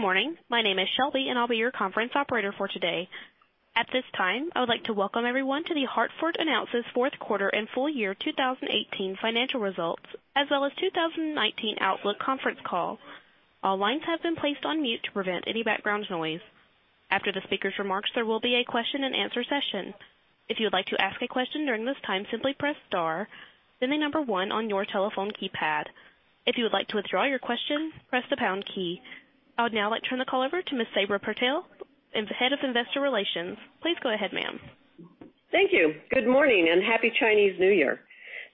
Good morning. My name is Shelby, and I'll be your conference operator for today. At this time, I would like to welcome everyone to The Hartford Announces Fourth Quarter and Full Year 2018 Financial Results, as well as 2019 Outlook conference call. All lines have been placed on mute to prevent any background noise. After the speakers' remarks, there will be a question and answer session. If you would like to ask a question during this time, simply press star, then the number one on your telephone keypad. If you would like to withdraw your question, press the pound key. I would now like to turn the call over to Ms. Sabra Purtill, the Head of Investor Relations. Please go ahead, ma'am. Thank you. Good morning. Happy Chinese New Year.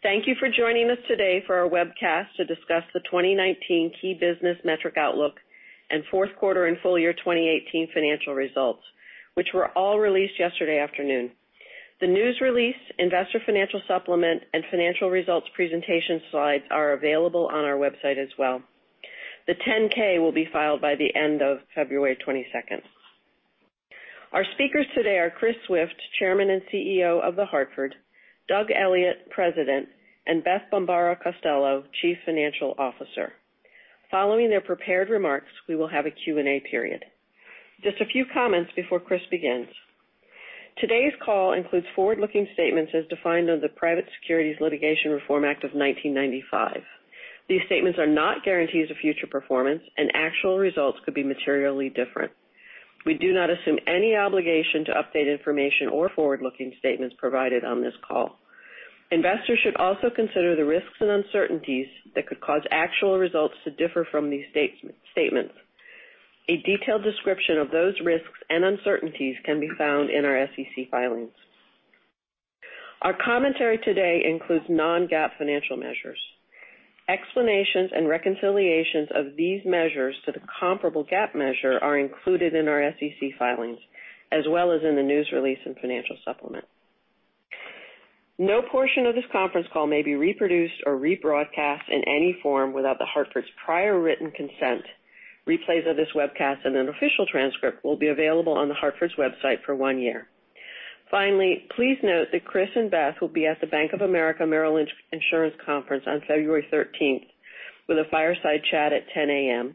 Thank you for joining us today for our webcast to discuss the 2019 key business metric outlook and fourth quarter and full year 2018 financial results, which were all released yesterday afternoon. The news release, investor financial supplement, and financial results presentation slides are available on our website as well. The 10K will be filed by the end of February 22nd. Our speakers today are Chris Swift, Chairman and CEO of The Hartford; Doug Elliot, President; and Beth Bombara Costello, Chief Financial Officer. Following their prepared remarks, we will have a Q&A period. Just a few comments before Chris begins. Today's call includes forward-looking statements as defined on the Private Securities Litigation Reform Act of 1995. These statements are not guarantees of future performance. Actual results could be materially different. We do not assume any obligation to update information or forward-looking statements provided on this call. Investors should also consider the risks and uncertainties that could cause actual results to differ from these statements. A detailed description of those risks and uncertainties can be found in our SEC filings. Our commentary today includes non-GAAP financial measures. Explanations and reconciliations of these measures to the comparable GAAP measure are included in our SEC filings as well as in the news release and financial supplement. No portion of this conference call may be reproduced or rebroadcast in any form without The Hartford's prior written consent. Replays of this webcast and an official transcript will be available on The Hartford's website for one year. Finally, please note that Chris and Beth will be at the Bank of America Merrill Lynch Insurance Conference on February 13th with a fireside chat at 10:00 A.M.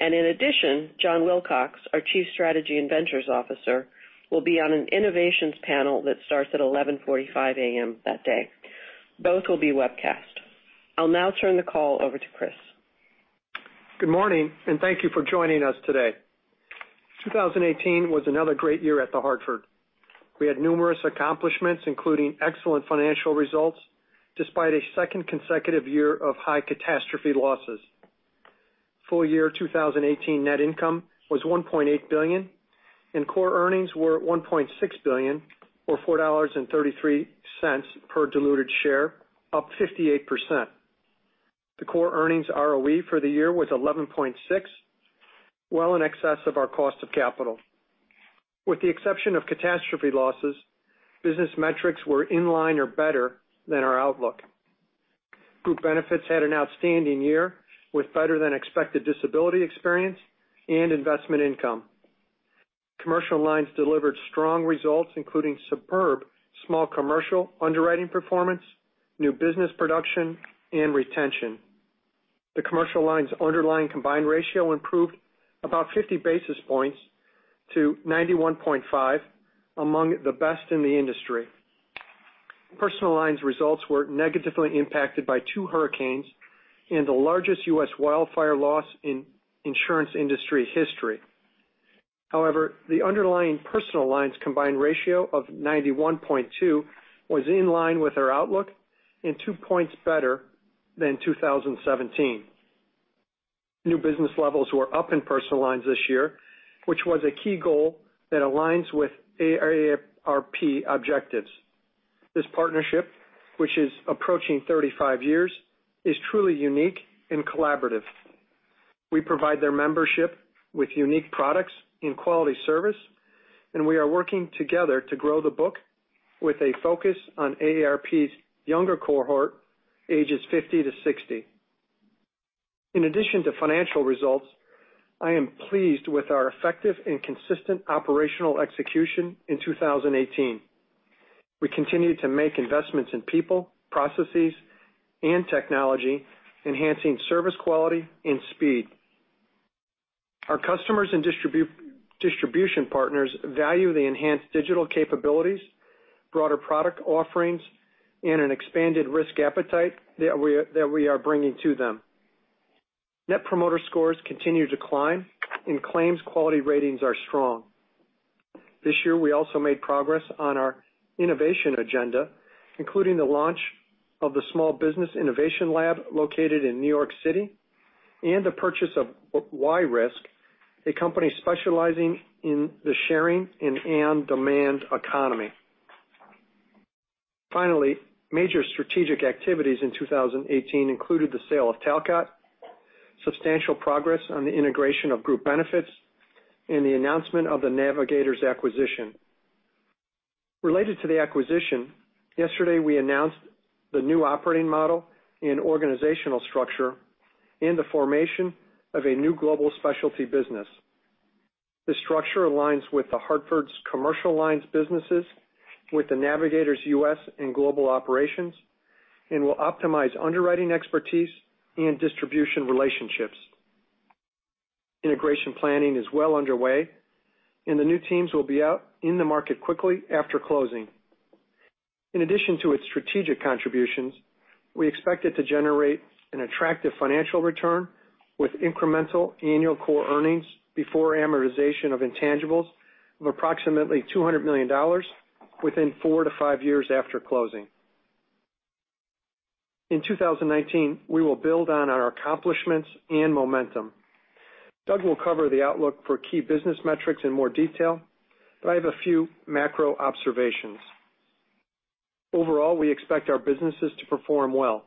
In addition, John Wilcox, our Chief Strategy and Ventures Officer, will be on an innovations panel that starts at 11:45 A.M. that day. Both will be webcast. I'll now turn the call over to Chris. Good morning, and thank you for joining us today. 2018 was another great year at The Hartford. We had numerous accomplishments, including excellent financial results, despite a second consecutive year of high catastrophe losses. Full year 2018 net income was $1.8 billion and core earnings were at $1.6 billion, or $4.33 per diluted share, up 58%. The core earnings ROE for the year was 11.6, well in excess of our cost of capital. With the exception of catastrophe losses, business metrics were in line or better than our outlook. Group Benefits had an outstanding year with better-than-expected disability experience and investment income. Commercial Lines delivered strong results, including superb small commercial underwriting performance, new business production, and retention. The Commercial Lines' underlying combined ratio improved about 50 basis points to 91.5, among the best in the industry. Personal Lines results were negatively impacted by two hurricanes and the largest U.S. wildfire loss in insurance industry history. However, the underlying Personal Lines combined ratio of 91.2 was in line with our outlook and two points better than 2017. New business levels were up in Personal Lines this year, which was a key goal that aligns with AARP objectives. This partnership, which is approaching 35 years, is truly unique and collaborative. We provide their membership with unique products and quality service, and we are working together to grow the book with a focus on AARP's younger cohort, ages 50 to 60. In addition to financial results, I am pleased with our effective and consistent operational execution in 2018. We continue to make investments in people, processes, and technology, enhancing service quality and speed. Our customers and distribution partners value the enhanced digital capabilities, broader product offerings, and an expanded risk appetite that we are bringing to them. Net promoter scores continue to climb, and claims quality ratings are strong. This year, we also made progress on our innovation agenda, including the launch of the Small Business Innovation Lab located in New York City and the purchase of Y-Risk, a company specializing in the sharing and on-demand economy. Finally, major strategic activities in 2018 included the sale of Talcott, substantial progress on the integration of Group Benefits, and the announcement of the Navigators acquisition. Related to the acquisition, yesterday we announced the new operating model and organizational structure and the formation of a new global specialty business. The structure aligns with The Hartford's commercial alliance businesses with the Navigators U.S. and global operations and will optimize underwriting expertise and distribution relationships. Integration planning is well underway, and the new teams will be out in the market quickly after closing. In addition to its strategic contributions, we expect it to generate an attractive financial return with incremental annual core earnings before amortization of intangibles of approximately $200 million within four to five years after closing. In 2019, we will build on our accomplishments and momentum. Doug will cover the outlook for key business metrics in more detail, I have a few macro observations. Overall, we expect our businesses to perform well.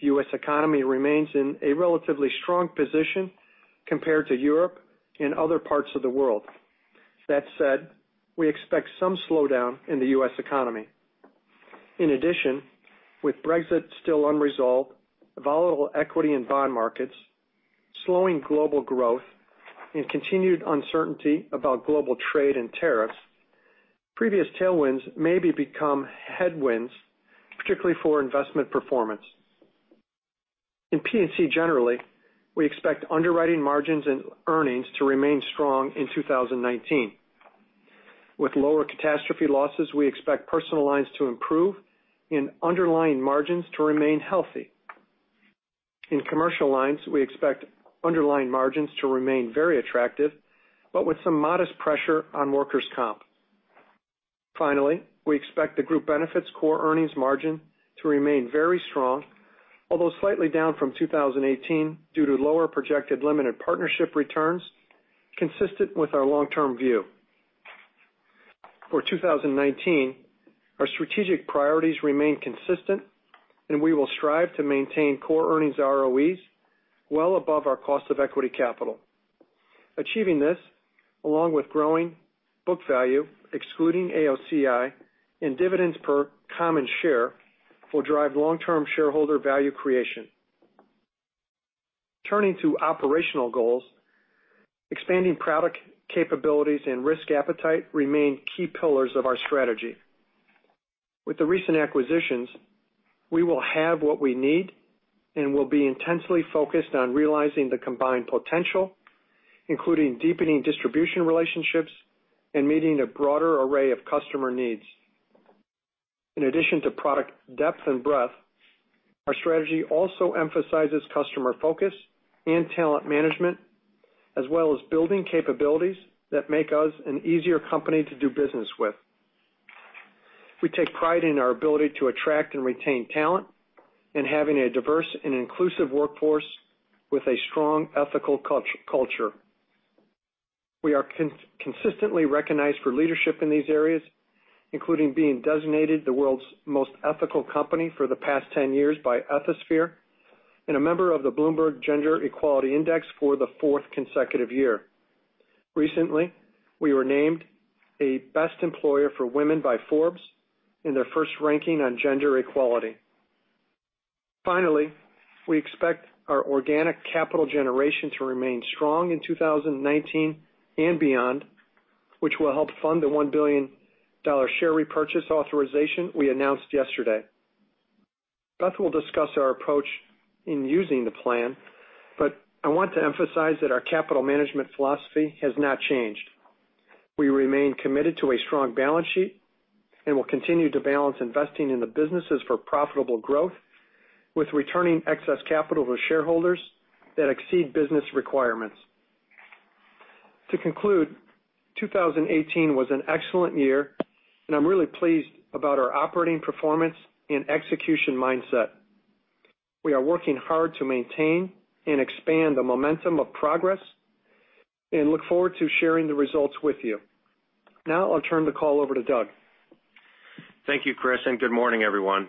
The U.S. economy remains in a relatively strong position compared to Europe and other parts of the world. That said, we expect some slowdown in the U.S. economy. In addition, with Brexit still unresolved, volatile equity and bond markets, slowing global growth, and continued uncertainty about global trade and tariffs, previous tailwinds may be become headwinds, particularly for investment performance. In P&C, generally, we expect underwriting margins and earnings to remain strong in 2019. With lower catastrophe losses, we expect Personal Lines to improve and underlying margins to remain healthy. In Commercial Lines, we expect underlying margins to remain very attractive, but with some modest pressure on workers' comp. Finally, we expect the Group Benefits core earnings margin to remain very strong, although slightly down from 2018 due to lower projected limited partnership returns consistent with our long-term view. For 2019, our strategic priorities remain consistent, and we will strive to maintain core earnings ROEs well above our cost of equity capital. Achieving this, along with growing book value, excluding AOCI and dividends per common share, will drive long-term shareholder value creation. Turning to operational goals, expanding product capabilities and risk appetite remain key pillars of our strategy. With the recent acquisitions, we will have what we need, and we'll be intensely focused on realizing the combined potential, including deepening distribution relationships and meeting a broader array of customer needs. In addition to product depth and breadth, our strategy also emphasizes customer focus and talent management, as well as building capabilities that make us an easier company to do business with. We take pride in our ability to attract and retain talent and having a diverse and inclusive workforce with a strong ethical culture. We are consistently recognized for leadership in these areas, including being designated the world's most ethical company for the past 10 years by Ethisphere and a member of the Bloomberg Gender-Equality Index for the fourth consecutive year. Recently, we were named a best employer for women by Forbes in their first ranking on gender equality. Finally, we expect our organic capital generation to remain strong in 2019 and beyond, which will help fund the $1 billion share repurchase authorization we announced yesterday. Beth will discuss our approach in using the plan, but I want to emphasize that our capital management philosophy has not changed. We remain committed to a strong balance sheet and will continue to balance investing in the businesses for profitable growth with returning excess capital to shareholders that exceed business requirements. To conclude, 2018 was an excellent year, and I'm really pleased about our operating performance and execution mindset. We are working hard to maintain and expand the momentum of progress and look forward to sharing the results with you. I'll turn the call over to Doug. Thank you, Chris, and good morning, everyone.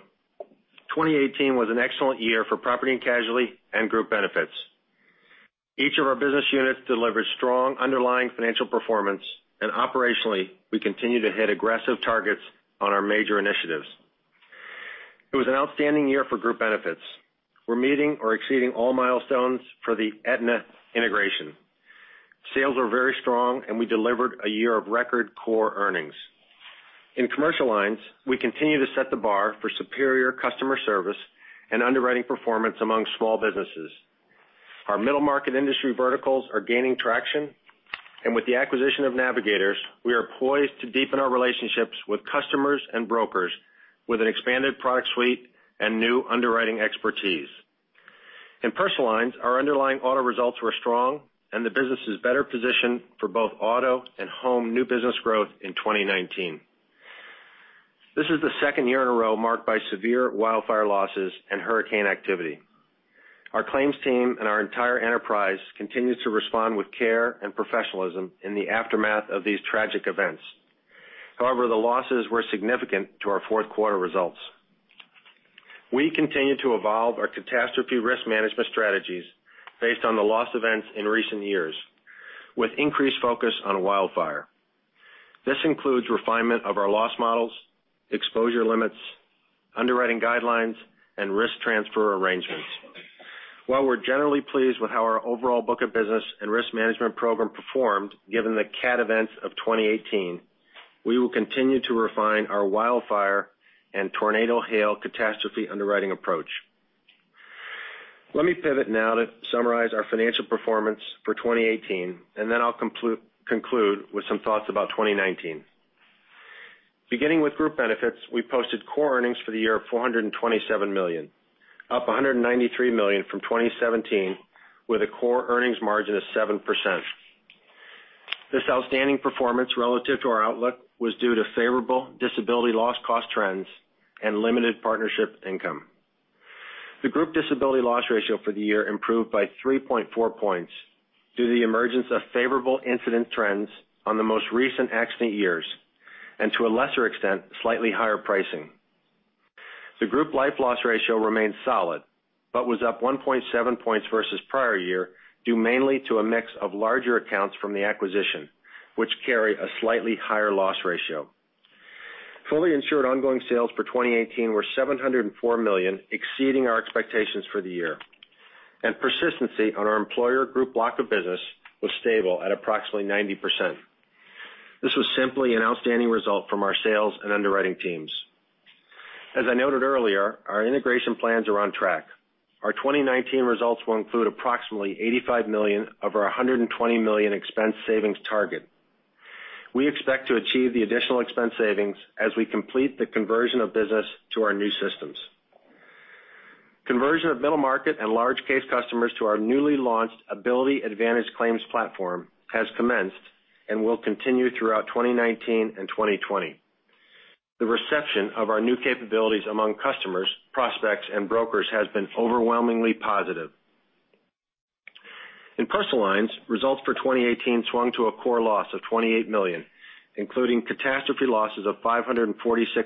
2018 was an excellent year for Property & Casualty and Group Benefits. Each of our business units delivered strong underlying financial performance, and operationally, we continue to hit aggressive targets on our major initiatives. It was an outstanding year for Group Benefits. We're meeting or exceeding all milestones for the Aetna integration. Sales are very strong, and we delivered a year of record core earnings. In Commercial Lines, we continue to set the bar for superior customer service and underwriting performance among small businesses. Our middle market industry verticals are gaining traction. With the acquisition of Navigators, we are poised to deepen our relationships with customers and brokers with an expanded product suite and new underwriting expertise. In Personal Lines, our underlying auto results were strong and the business is better positioned for both auto and home new business growth in 2019. This is the second year in a row marked by severe wildfire losses and hurricane activity. Our claims team and our entire enterprise continues to respond with care and professionalism in the aftermath of these tragic events. However, the losses were significant to our fourth quarter results. We continue to evolve our catastrophe risk management strategies based on the loss events in recent years, with increased focus on wildfire. This includes refinement of our loss models, exposure limits, underwriting guidelines, and risk transfer arrangements. While we're generally pleased with how our overall book of business and risk management program performed, given the cat events of 2018, we will continue to refine our wildfire and tornado hail catastrophe underwriting approach. Let me pivot now to summarize our financial performance for 2018, and then I'll conclude with some thoughts about 2019. Beginning with Group Benefits, we posted core earnings for the year of $427 million, up $193 million from 2017, with a core earnings margin of 7%. This outstanding performance relative to our outlook was due to favorable disability loss cost trends and limited partnership income. The group disability loss ratio for the year improved by 3.4 points due to the emergence of favorable incident trends on the most recent accident years and, to a lesser extent, slightly higher pricing. The group life loss ratio remains solid but was up 1.7 points versus prior year, due mainly to a mix of larger accounts from the acquisition, which carry a slightly higher loss ratio. Fully insured ongoing sales for 2018 were $704 million, exceeding our expectations for the year. Persistency on our employer group block of business was stable at approximately 90%. This was simply an outstanding result from our sales and underwriting teams. As I noted earlier, our integration plans are on track. Our 2019 results will include approximately $85 million of our $120 million expense savings target. We expect to achieve the additional expense savings as we complete the conversion of business to our new systems. Conversion of middle market and large case customers to our newly launched Ability Advantage claims platform has commenced and will continue throughout 2019 and 2020. The reception of our new capabilities among customers, prospects, and brokers has been overwhelmingly positive. In Personal Lines, results for 2018 swung to a core loss of $28 million, including catastrophe losses of $546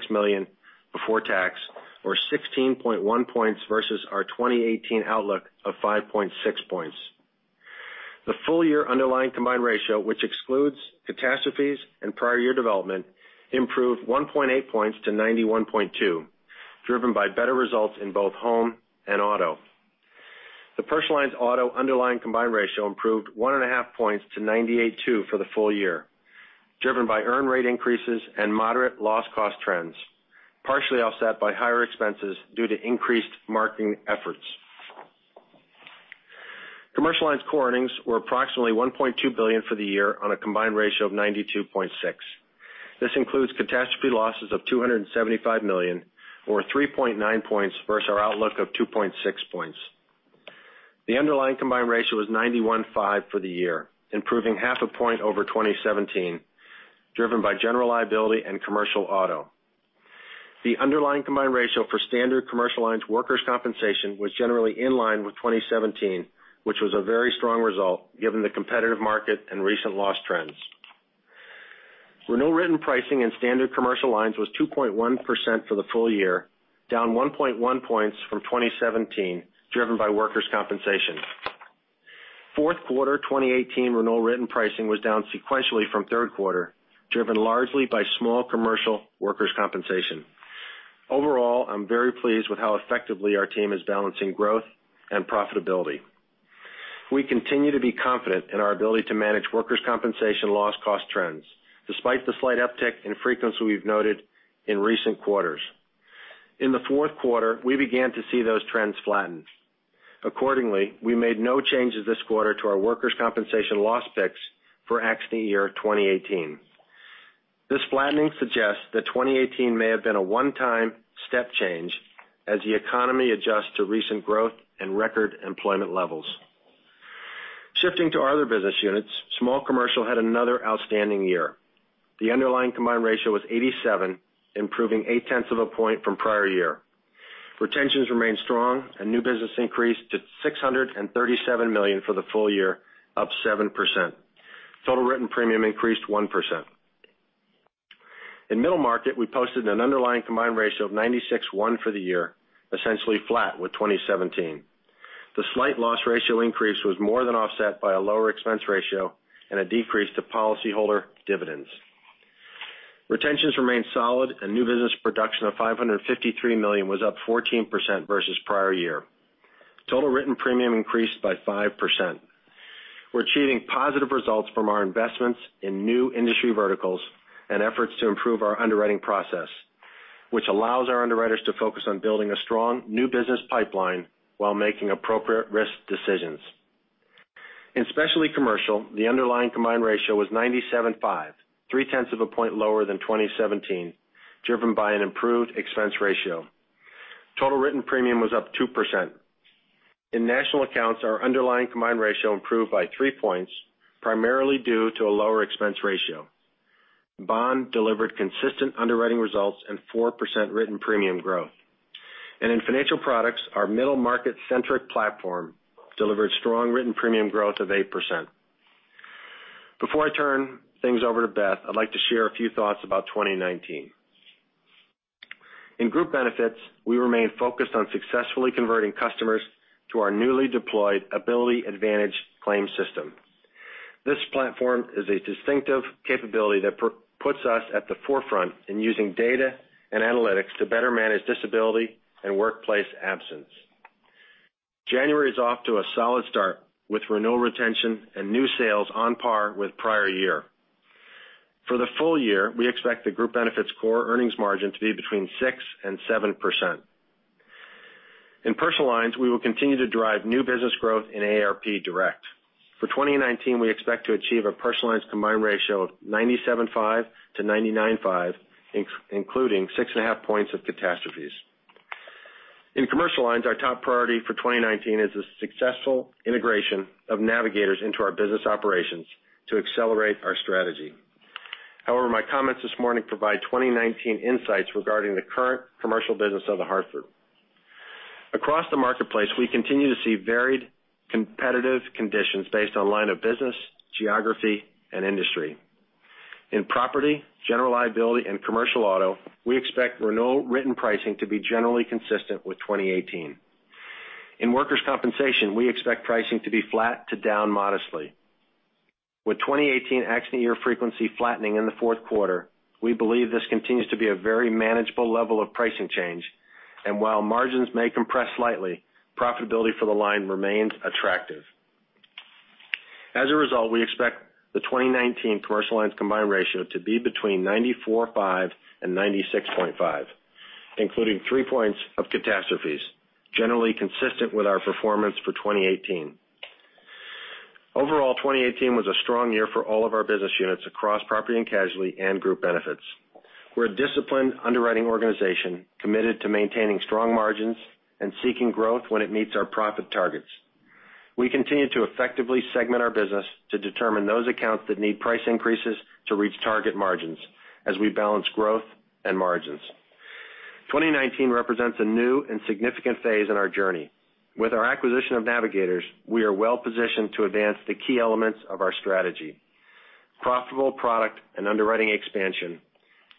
million before tax, or 16.1 points versus our 2018 outlook of 5.6 points. The full year underlying combined ratio, which excludes catastrophes and prior year development, improved 1.8 points to 91.2, driven by better results in both home and auto. The Personal Lines auto underlying combined ratio improved 1.5 points to 98.2 for the full year, driven by earn rate increases and moderate loss cost trends, partially offset by higher expenses due to increased marketing efforts. Commercial Lines core earnings were approximately $1.2 billion for the year on a combined ratio of 92.6. This includes catastrophe losses of $275 million, or 3.9 points versus our outlook of 2.6 points. The underlying combined ratio was 91.5 for the year, improving 0.5 point over 2017, driven by general liability and commercial auto. The underlying combined ratio for standard Commercial Lines workers' compensation was generally in line with 2017, which was a very strong result given the competitive market and recent loss trends. Renewal written pricing in standard Commercial Lines was 2.1% for the full year, down 1.1 points from 2017, driven by workers' compensation. Fourth quarter 2018 renewal written pricing was down sequentially from third quarter, driven largely by small commercial workers' compensation. Overall, I'm very pleased with how effectively our team is balancing growth and profitability. We continue to be confident in our ability to manage workers' compensation loss cost trends, despite the slight uptick in frequency we've noted in recent quarters. In the fourth quarter, we began to see those trends flatten. Accordingly, we made no changes this quarter to our workers' compensation loss picks for accident year 2018. This flattening suggests that 2018 may have been a one-time step change as the economy adjusts to recent growth and record employment levels. Shifting to our other business units, small commercial had another outstanding year. The underlying combined ratio was 87, improving 0.8 point from prior year. Retentions remained strong and new business increased to $637 million for the full year, up 7%. Total written premium increased 1%. In middle market, we posted an underlying combined ratio of 96.1 for the year, essentially flat with 2017. The slight loss ratio increase was more than offset by a lower expense ratio and a decrease to policyholder dividends. Retentions remained solid and new business production of $553 million was up 14% versus prior year. Total written premium increased by 5%. We're achieving positive results from our investments in new industry verticals and efforts to improve our underwriting process, which allows our underwriters to focus on building a strong new business pipeline while making appropriate risk decisions. In specialty commercial, the underlying combined ratio was 97.5, 0.3 of a point lower than 2017, driven by an improved expense ratio. Total written premium was up 2%. In national accounts, our underlying combined ratio improved by three points, primarily due to a lower expense ratio. Bond delivered consistent underwriting results and 4% written premium growth. In financial products, our middle market-centric platform delivered strong written premium growth of 8%. Before I turn things over to Beth, I'd like to share a few thoughts about 2019. In Group Benefits, we remain focused on successfully converting customers to our newly deployed Ability Advantage claim system. This platform is a distinctive capability that puts us at the forefront in using data and analytics to better manage disability and workplace absence. January is off to a solid start, with renewal retention and new sales on par with prior year. For the full year, we expect the Group Benefits core earnings margin to be between 6% and 7%. In Personal Lines, we will continue to drive new business growth in AARP Direct. For 2019, we expect to achieve a Personal Lines combined ratio of 97.5-99.5, including 6.5 points of catastrophes. In Commercial Lines, our top priority for 2019 is the successful integration of Navigators into our business operations to accelerate our strategy. However, my comments this morning provide 2019 insights regarding the current commercial business of The Hartford. Across the marketplace, we continue to see varied competitive conditions based on line of business, geography, and industry. In property, general liability, and commercial auto, we expect renewal written pricing to be generally consistent with 2018. In workers' compensation, we expect pricing to be flat to down modestly. With 2018 accident year frequency flattening in the fourth quarter, we believe this continues to be a very manageable level of pricing change, and while margins may compress slightly, profitability for the line remains attractive. As a result, we expect the 2019 Commercial Lines combined ratio to be between 94.5 and 96.5, including three points of catastrophes, generally consistent with our performance for 2018. Overall, 2018 was a strong year for all of our business units across Property and Casualty and Group Benefits. We're a disciplined underwriting organization committed to maintaining strong margins and seeking growth when it meets our profit targets. We continue to effectively segment our business to determine those accounts that need price increases to reach target margins as we balance growth and margins. 2019 represents a new and significant phase in our journey. With our acquisition of Navigators, we are well positioned to advance the key elements of our strategy, profitable product and underwriting expansion,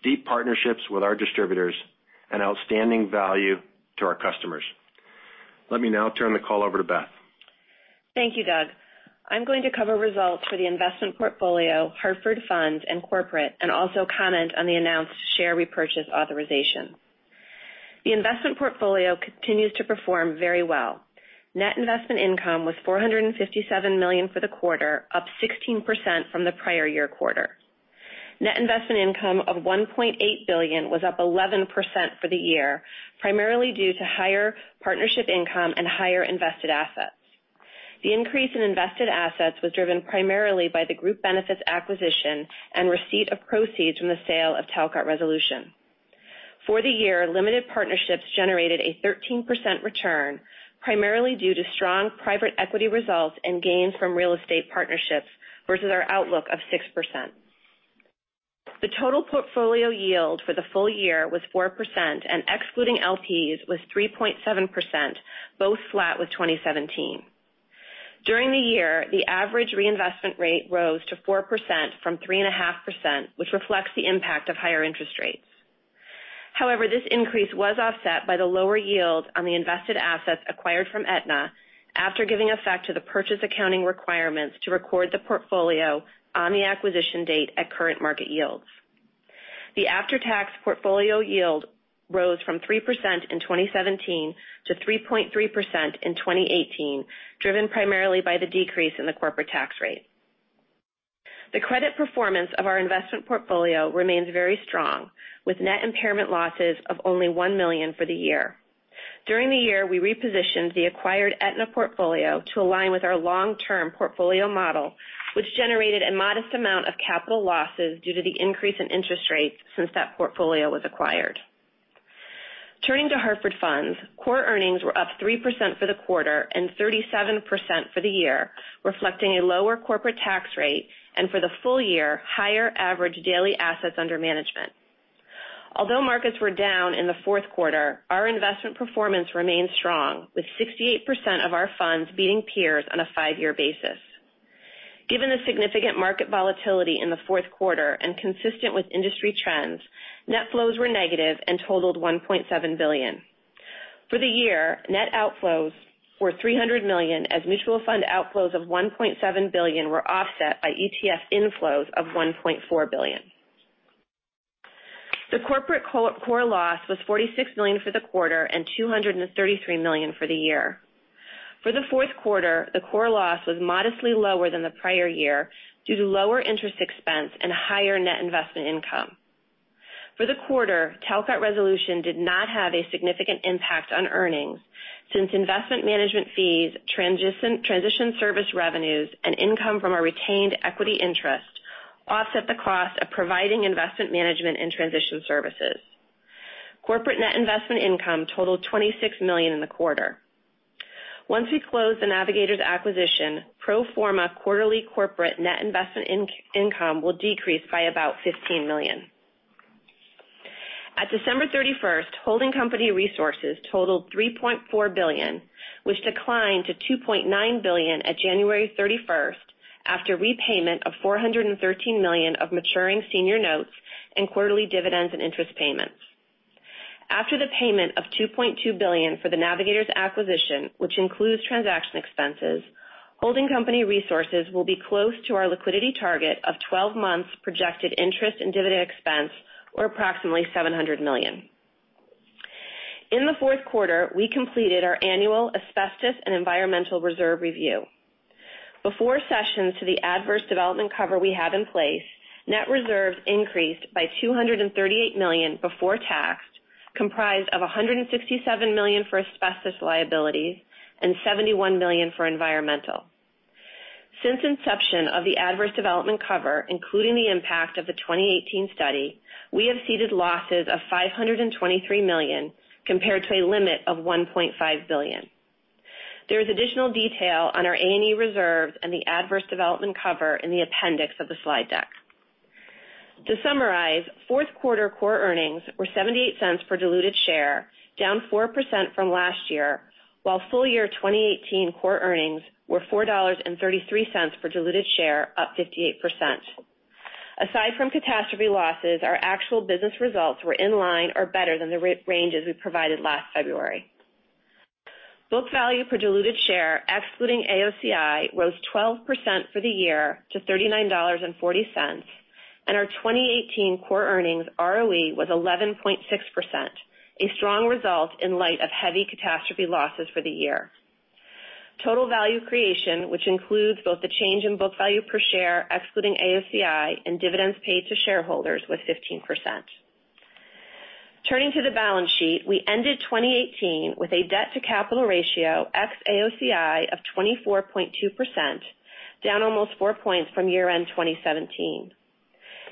deep partnerships with our distributors, and outstanding value to our customers. Let me now turn the call over to Beth. Thank you, Doug. I'm going to cover results for the investment portfolio, Hartford Funds, and corporate, and also comment on the announced share repurchase authorization. The investment portfolio continues to perform very well. Net investment income was $457 million for the quarter, up 16% from the prior year quarter. Net investment income of $1.8 billion was up 11% for the year, primarily due to higher partnership income and higher invested assets. The increase in invested assets was driven primarily by the Group Benefits acquisition and receipt of proceeds from the sale of Talcott Resolution. For the year, limited partnerships generated a 13% return, primarily due to strong private equity results and gains from real estate partnerships versus our outlook of 6%. The total portfolio yield for the full year was 4%, and excluding LPs was 3.7%, both flat with 2017. During the year, the average reinvestment rate rose to 4% from 3.5%, which reflects the impact of higher interest rates. However, this increase was offset by the lower yield on the invested assets acquired from Aetna after giving effect to the purchase accounting requirements to record the portfolio on the acquisition date at current market yields. The after-tax portfolio yield rose from 3% in 2017 to 3.3% in 2018, driven primarily by the decrease in the corporate tax rate. The credit performance of our investment portfolio remains very strong, with net impairment losses of only $1 million for the year. During the year, we repositioned the acquired Aetna portfolio to align with our long-term portfolio model, which generated a modest amount of capital losses due to the increase in interest rates since that portfolio was acquired. Turning to Hartford Funds, core earnings were up 3% for the quarter and 37% for the year, reflecting a lower corporate tax rate and for the full year, higher average daily assets under management. Although markets were down in the fourth quarter, our investment performance remains strong, with 68% of our funds beating peers on a five-year basis. Given the significant market volatility in the fourth quarter and consistent with industry trends, net flows were negative and totaled $1.7 billion. For the year, net outflows were $300 million, as mutual fund outflows of $1.7 billion were offset by ETF inflows of $1.4 billion. The corporate core loss was $46 million for the quarter and $233 million for the year. For the fourth quarter, the core loss was modestly lower than the prior year due to lower interest expense and higher net investment income. For the quarter, Talcott Resolution did not have a significant impact on earnings since investment management fees, transition service revenues, and income from our retained equity interest offset the cost of providing investment management and transition services. Corporate net investment income totaled $26 million in the quarter. Once we close the Navigators acquisition, pro forma quarterly corporate net investment income will decrease by about $15 million. At December 31st, holding company resources totaled $3.4 billion, which declined to $2.9 billion at January 31st. After repayment of $413 million of maturing senior notes and quarterly dividends and interest payments. After the payment of $2.2 billion for the Navigators acquisition, which includes transaction expenses, holding company resources will be close to our liquidity target of 12 months projected interest and dividend expense, or approximately $700 million. In the fourth quarter, we completed our annual asbestos and environmental reserve review. Before cessions to the adverse development cover we have in place, net reserves increased by $238 million before tax, comprised of $167 million for asbestos liability and $71 million for environmental. Since inception of the adverse development cover, including the impact of the 2018 study, we have ceded losses of $523 million compared to a limit of $1.5 billion. There is additional detail on our A&E reserve and the adverse development cover in the appendix of the slide deck. To summarize, fourth quarter core earnings were $0.78 per diluted share, down 4% from last year, while full year 2018 core earnings were $4.33 per diluted share, up 58%. Aside from catastrophe losses, our actual business results were in line or better than the ranges we provided last February. Book value per diluted share, excluding AOCI, rose 12% for the year to $39.40, and our 2018 core earnings ROE was 11.6%, a strong result in light of heavy catastrophe losses for the year. Total value creation, which includes both the change in book value per share excluding AOCI and dividends paid to shareholders, was 15%. Turning to the balance sheet, we ended 2018 with a debt-to-capital ratio ex AOCI of 24.2%, down almost four points from year-end 2017.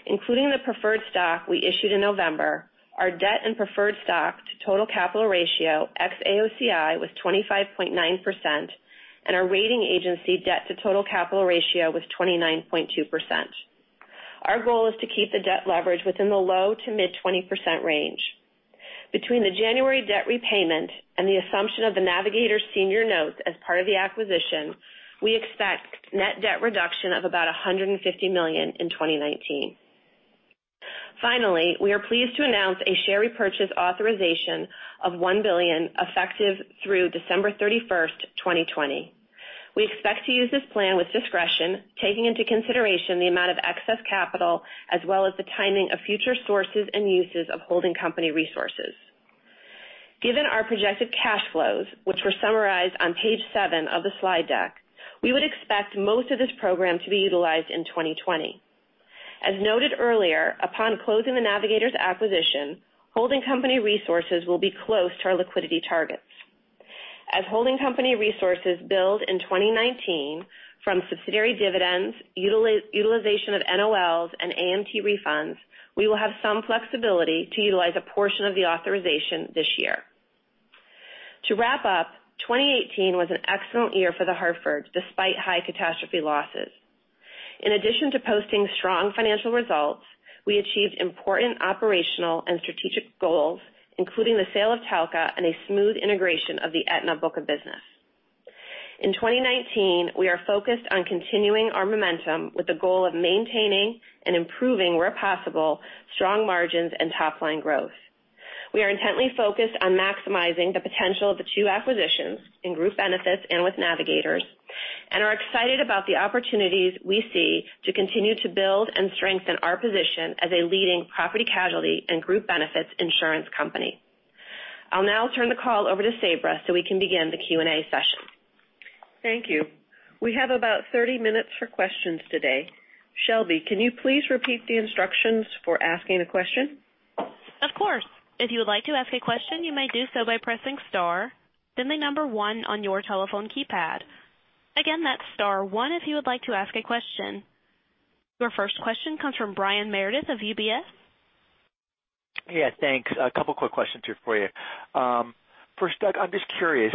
Including the preferred stock we issued in November, our debt and preferred stock to total capital ratio ex AOCI was 25.9% and our rating agency debt to total capital ratio was 29.2%. Our goal is to keep the debt leverage within the low to mid 20% range. Between the January debt repayment and the assumption of the Navigators' senior notes as part of the acquisition, we expect net debt reduction of about $150 million in 2019. We are pleased to announce a share repurchase authorization of $1 billion effective through December 31st, 2020. We expect to use this plan with discretion, taking into consideration the amount of excess capital as well as the timing of future sources and uses of holding company resources. Given our projected cash flows, which were summarized on page seven of the slide deck, we would expect most of this program to be utilized in 2020. As noted earlier, upon closing the Navigators acquisition, holding company resources will be close to our liquidity targets. Holding company resources build in 2019 from subsidiary dividends, utilization of NOLs, and AMT refunds, we will have some flexibility to utilize a portion of the authorization this year. 2018 was an excellent year for The Hartford, despite high catastrophe losses. In addition to posting strong financial results, we achieved important operational and strategic goals, including the sale of Talcott and a smooth integration of the Aetna book of business. In 2019, we are focused on continuing our momentum with the goal of maintaining and improving, where possible, strong margins and top-line growth. We are intently focused on maximizing the potential of the two acquisitions in Group Benefits and with Navigators and are excited about the opportunities we see to continue to build and strengthen our position as a leading property casualty and Group Benefits insurance company. I'll now turn the call over to Sabra so we can begin the Q&A session. Thank you. We have about 30 minutes for questions today. Shelby, can you please repeat the instructions for asking a question? Of course. If you would like to ask a question, you may do so by pressing star, then the number one on your telephone keypad. Again, that's star one if you would like to ask a question. Your first question comes from Brian Meredith of UBS. Yeah, thanks. A couple quick questions here for you. First, Doug, I'm just curious,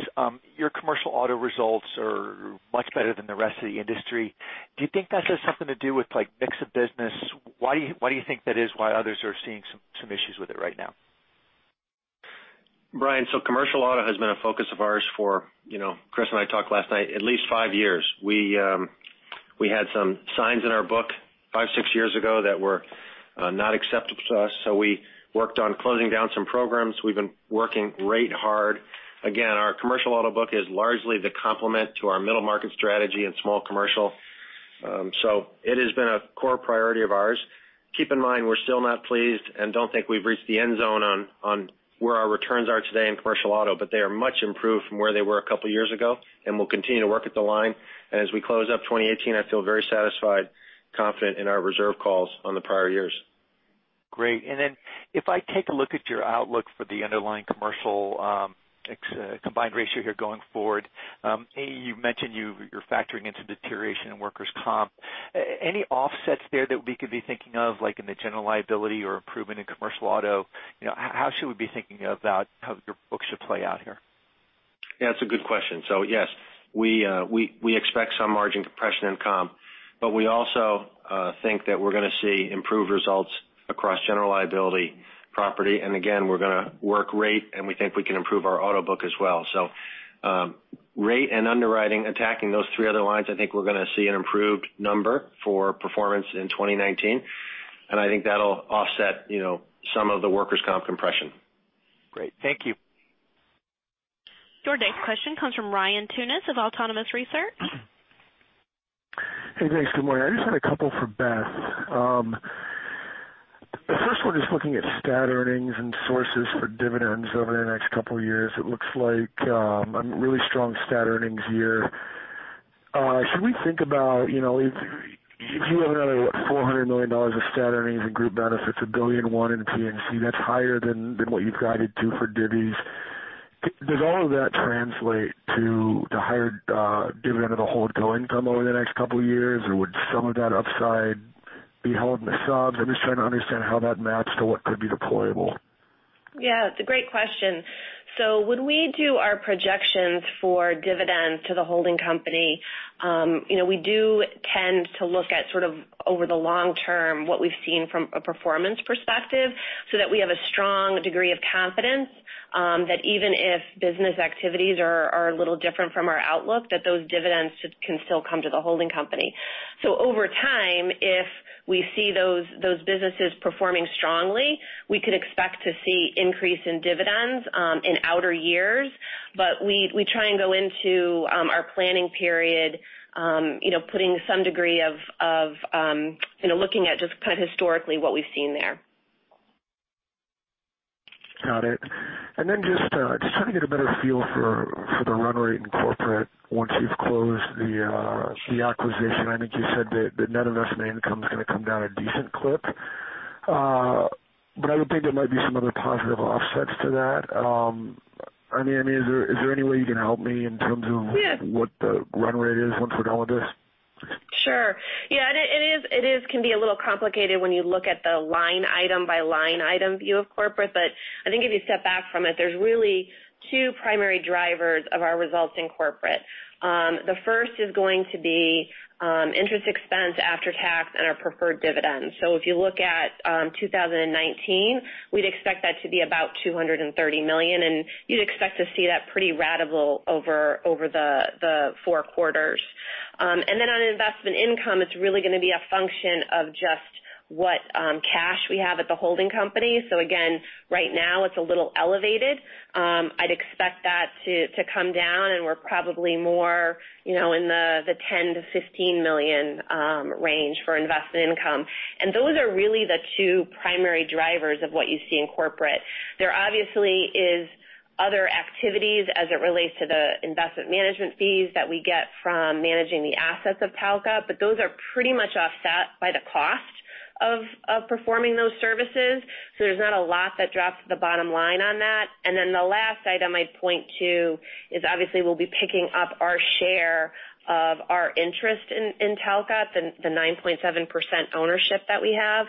your commercial auto results are much better than the rest of the industry. Do you think that has something to do with mix of business? Why do you think that is, why others are seeing some issues with it right now? Brian, commercial auto has been a focus of ours for, Chris and I talked last night, at least five years. We had some signs in our book five, six years ago that were not acceptable to us, we worked on closing down some programs. We've been working really hard. Again, our commercial auto book is largely the complement to our middle market strategy and small commercial. It has been a core priority of ours. Keep in mind, we're still not pleased and don't think we've reached the end zone on where our returns are today in commercial auto, but they are much improved from where they were a couple of years ago, and we'll continue to work at the line. As we close up 2018, I feel very satisfied, confident in our reserve calls on the prior years. Great. If I take a look at your outlook for the underlying commercial combined ratio here going forward, A, you've mentioned you're factoring into deterioration in workers' comp. Any offsets there that we could be thinking of, like in the general liability or improvement in commercial auto? How should we be thinking about how your books should play out here? That's a good question. Yes, we expect some margin compression in comp, but we also I think that we're going to see improved results across general liability property. Again, we're going to work rate, and we think we can improve our auto book as well. Rate and underwriting, attacking those three other lines, I think we're going to see an improved number for performance in 2019, and I think that'll offset some of the workers' comp compression. Great. Thank you. Your next question comes from Ryan Tunis of Autonomous Research. Thanks. Good morning. I just had a couple for Beth. The first one is looking at stat earnings and sources for dividends over the next couple of years. It looks like a really strong stat earnings year. Should we think about if you have another $400 million of stat earnings and Group Benefits, $1 billion and one in P&C, that's higher than what you've guided to for divvies. Does all of that translate to the higher dividend of the hold co income over the next couple of years, or would some of that upside be held in the subs? I'm just trying to understand how that maps to what could be deployable. It's a great question. When we do our projections for dividends to the holding company, we do tend to look at over the long term, what we've seen from a performance perspective, so that we have a strong degree of confidence, that even if business activities are a little different from our outlook, that those dividends can still come to the holding company. Over time, if we see those businesses performing strongly, we could expect to see increase in dividends in outer years. We try and go into our planning period putting some degree of looking at just historically what we've seen there. Got it. Just trying to get a better feel for the run rate in corporate once you've closed the acquisition. I think you said that net investment income is going to come down a decent clip. I would think there might be some other positive offsets to that. Is there any way you can help me in terms of. Yes. What the run rate is once we're done with this? Sure. Yeah, it can be a little complicated when you look at the line item by line item view of corporate. I think if you step back from it, there's really two primary drivers of our results in corporate. The first is going to be interest expense after tax and our preferred dividends. If you look at 2019, we'd expect that to be about $230 million, and you'd expect to see that pretty ratable over the four quarters. On investment income, it's really going to be a function of just what cash we have at the holding company. Again, right now it's a little elevated. I'd expect that to come down and we're probably more in the $10 million-$15 million range for investment income. Those are really the two primary drivers of what you see in corporate. There obviously is other activities as it relates to the investment management fees that we get from managing the assets of Talcott, those are pretty much offset by the cost of performing those services. There's not a lot that drops to the bottom line on that. The last item I'd point to is obviously we'll be picking up our share of our interest in Talcott, the 9.7% ownership that we have.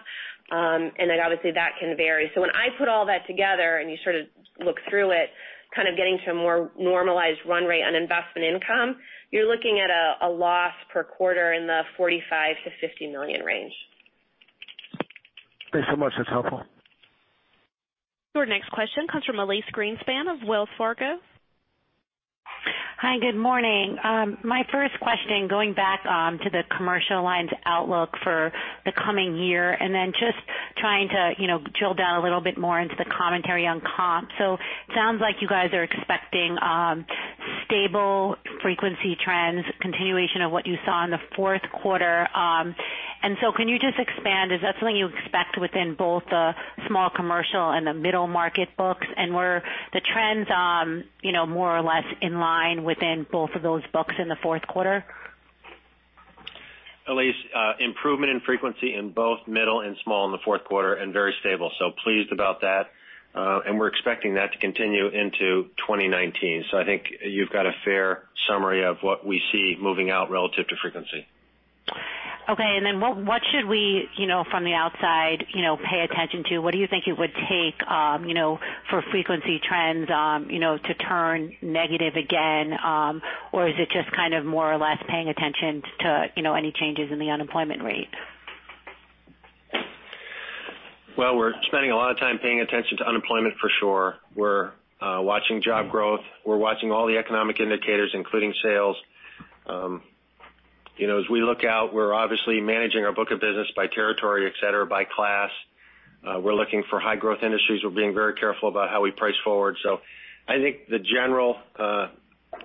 Obviously that can vary. When I put all that together and you sort of look through it, kind of getting to a more normalized run rate on investment income, you're looking at a loss per quarter in the $45 million-$50 million range. Thanks so much. That's helpful. Your next question comes from Elyse Greenspan of Wells Fargo. My first question, going back to the Commercial Lines outlook for the coming year, then just trying to drill down a little bit more into the commentary on comp. Sounds like you guys are expecting stable frequency trends, continuation of what you saw in the fourth quarter. Can you just expand, is that something you expect within both the small commercial and the middle market books? Were the trends more or less in line within both of those books in the fourth quarter? Elyse, improvement in frequency in both middle and small in the fourth quarter and very stable. Pleased about that. We're expecting that to continue into 2019. I think you've got a fair summary of what we see moving out relative to frequency. Okay. What should we, from the outside, pay attention to? What do you think it would take for frequency trends to turn negative again? Is it just kind of more or less paying attention to any changes in the unemployment rate? Well, we're spending a lot of time paying attention to unemployment for sure. We're watching job growth. We're watching all the economic indicators, including sales. As we look out, we're obviously managing our book of business by territory, et cetera, by class. We're looking for high-growth industries. We're being very careful about how we price forward. I think the general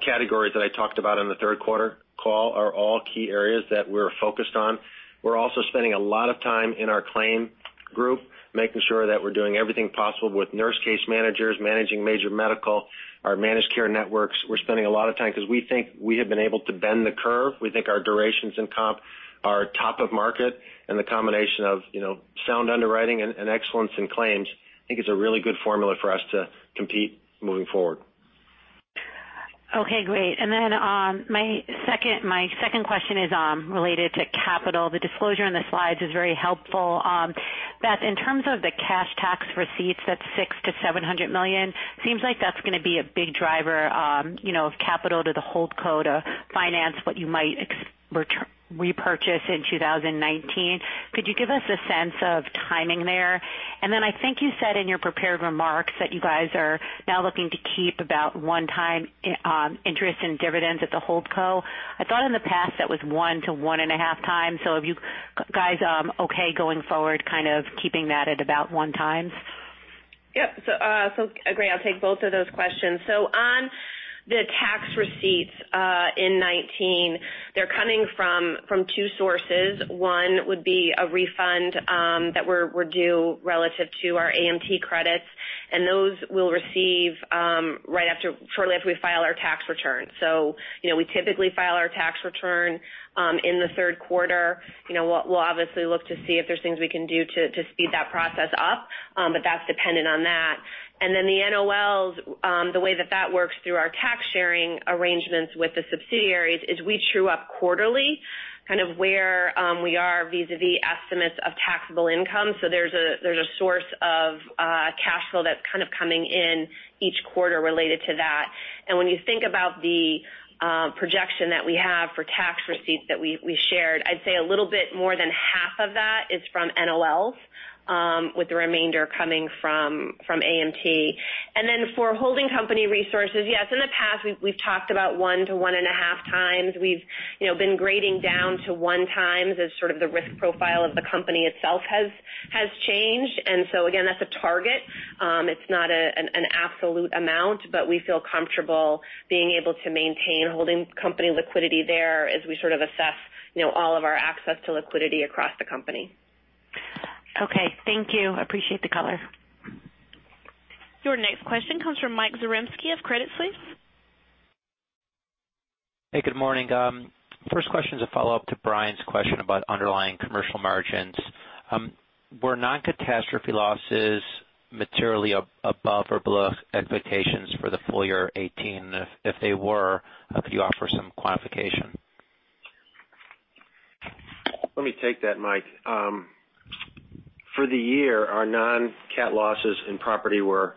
categories that I talked about on the third quarter call are all key areas that we're focused on. We're also spending a lot of time in our claim group, making sure that we're doing everything possible with nurse case managers, managing major medical, our managed care networks. We're spending a lot of time because we think we have been able to bend the curve. We think our durations in comp are top of market, the combination of sound underwriting and excellence in claims, I think is a really good formula for us to compete moving forward. Okay, great. My second question is related to capital. The disclosure on the slides is very helpful. Beth, in terms of the cash tax receipts, that's $600 million to $700 million. Seems like that's going to be a big driver of capital to the holdco to finance what you might repurchase in 2019. Could you give us a sense of timing there? I think you said in your prepared remarks that you guys are now looking to keep about one time interest in dividends at the holdco. I thought in the past that was one to one and a half times. Are you guys okay going forward, keeping that at about one times? Yep. Agree. I'll take both of those questions. On the tax receipts, in 2019, they're coming from two sources. One would be a refund that we're due relative to our AMT credits, those we'll receive shortly after we file our tax return. We typically file our tax return in the third quarter. We'll obviously look to see if there's things we can do to speed that process up. That's dependent on that. The NOLs, the way that that works through our tax sharing arrangements with the subsidiaries is we true-up quarterly, where we are vis-a-vis estimates of taxable income. There's a source of cash flow that's coming in each quarter related to that. When you think about the projection that we have for tax receipts that we shared, I'd say a little bit more than half of that is from NOLs, with the remainder coming from AMT. For holding company resources, yes, in the past, we've talked about one to one and a half times. We've been grading down to one times as the risk profile of the company itself has changed. Again, that's a target. It's not an absolute amount, but we feel comfortable being able to maintain holding company liquidity there as we assess all of our access to liquidity across the company. Okay. Thank you. Appreciate the color. Your next question comes from Mike Zaremski of Credit Suisse. Hey, good morning. First question is a follow-up to Brian's question about underlying commercial margins. Were non-catastrophe losses materially above or below expectations for the full year 2018? If they were, could you offer some quantification? Let me take that, Mike. For the year, our non-cat losses in property were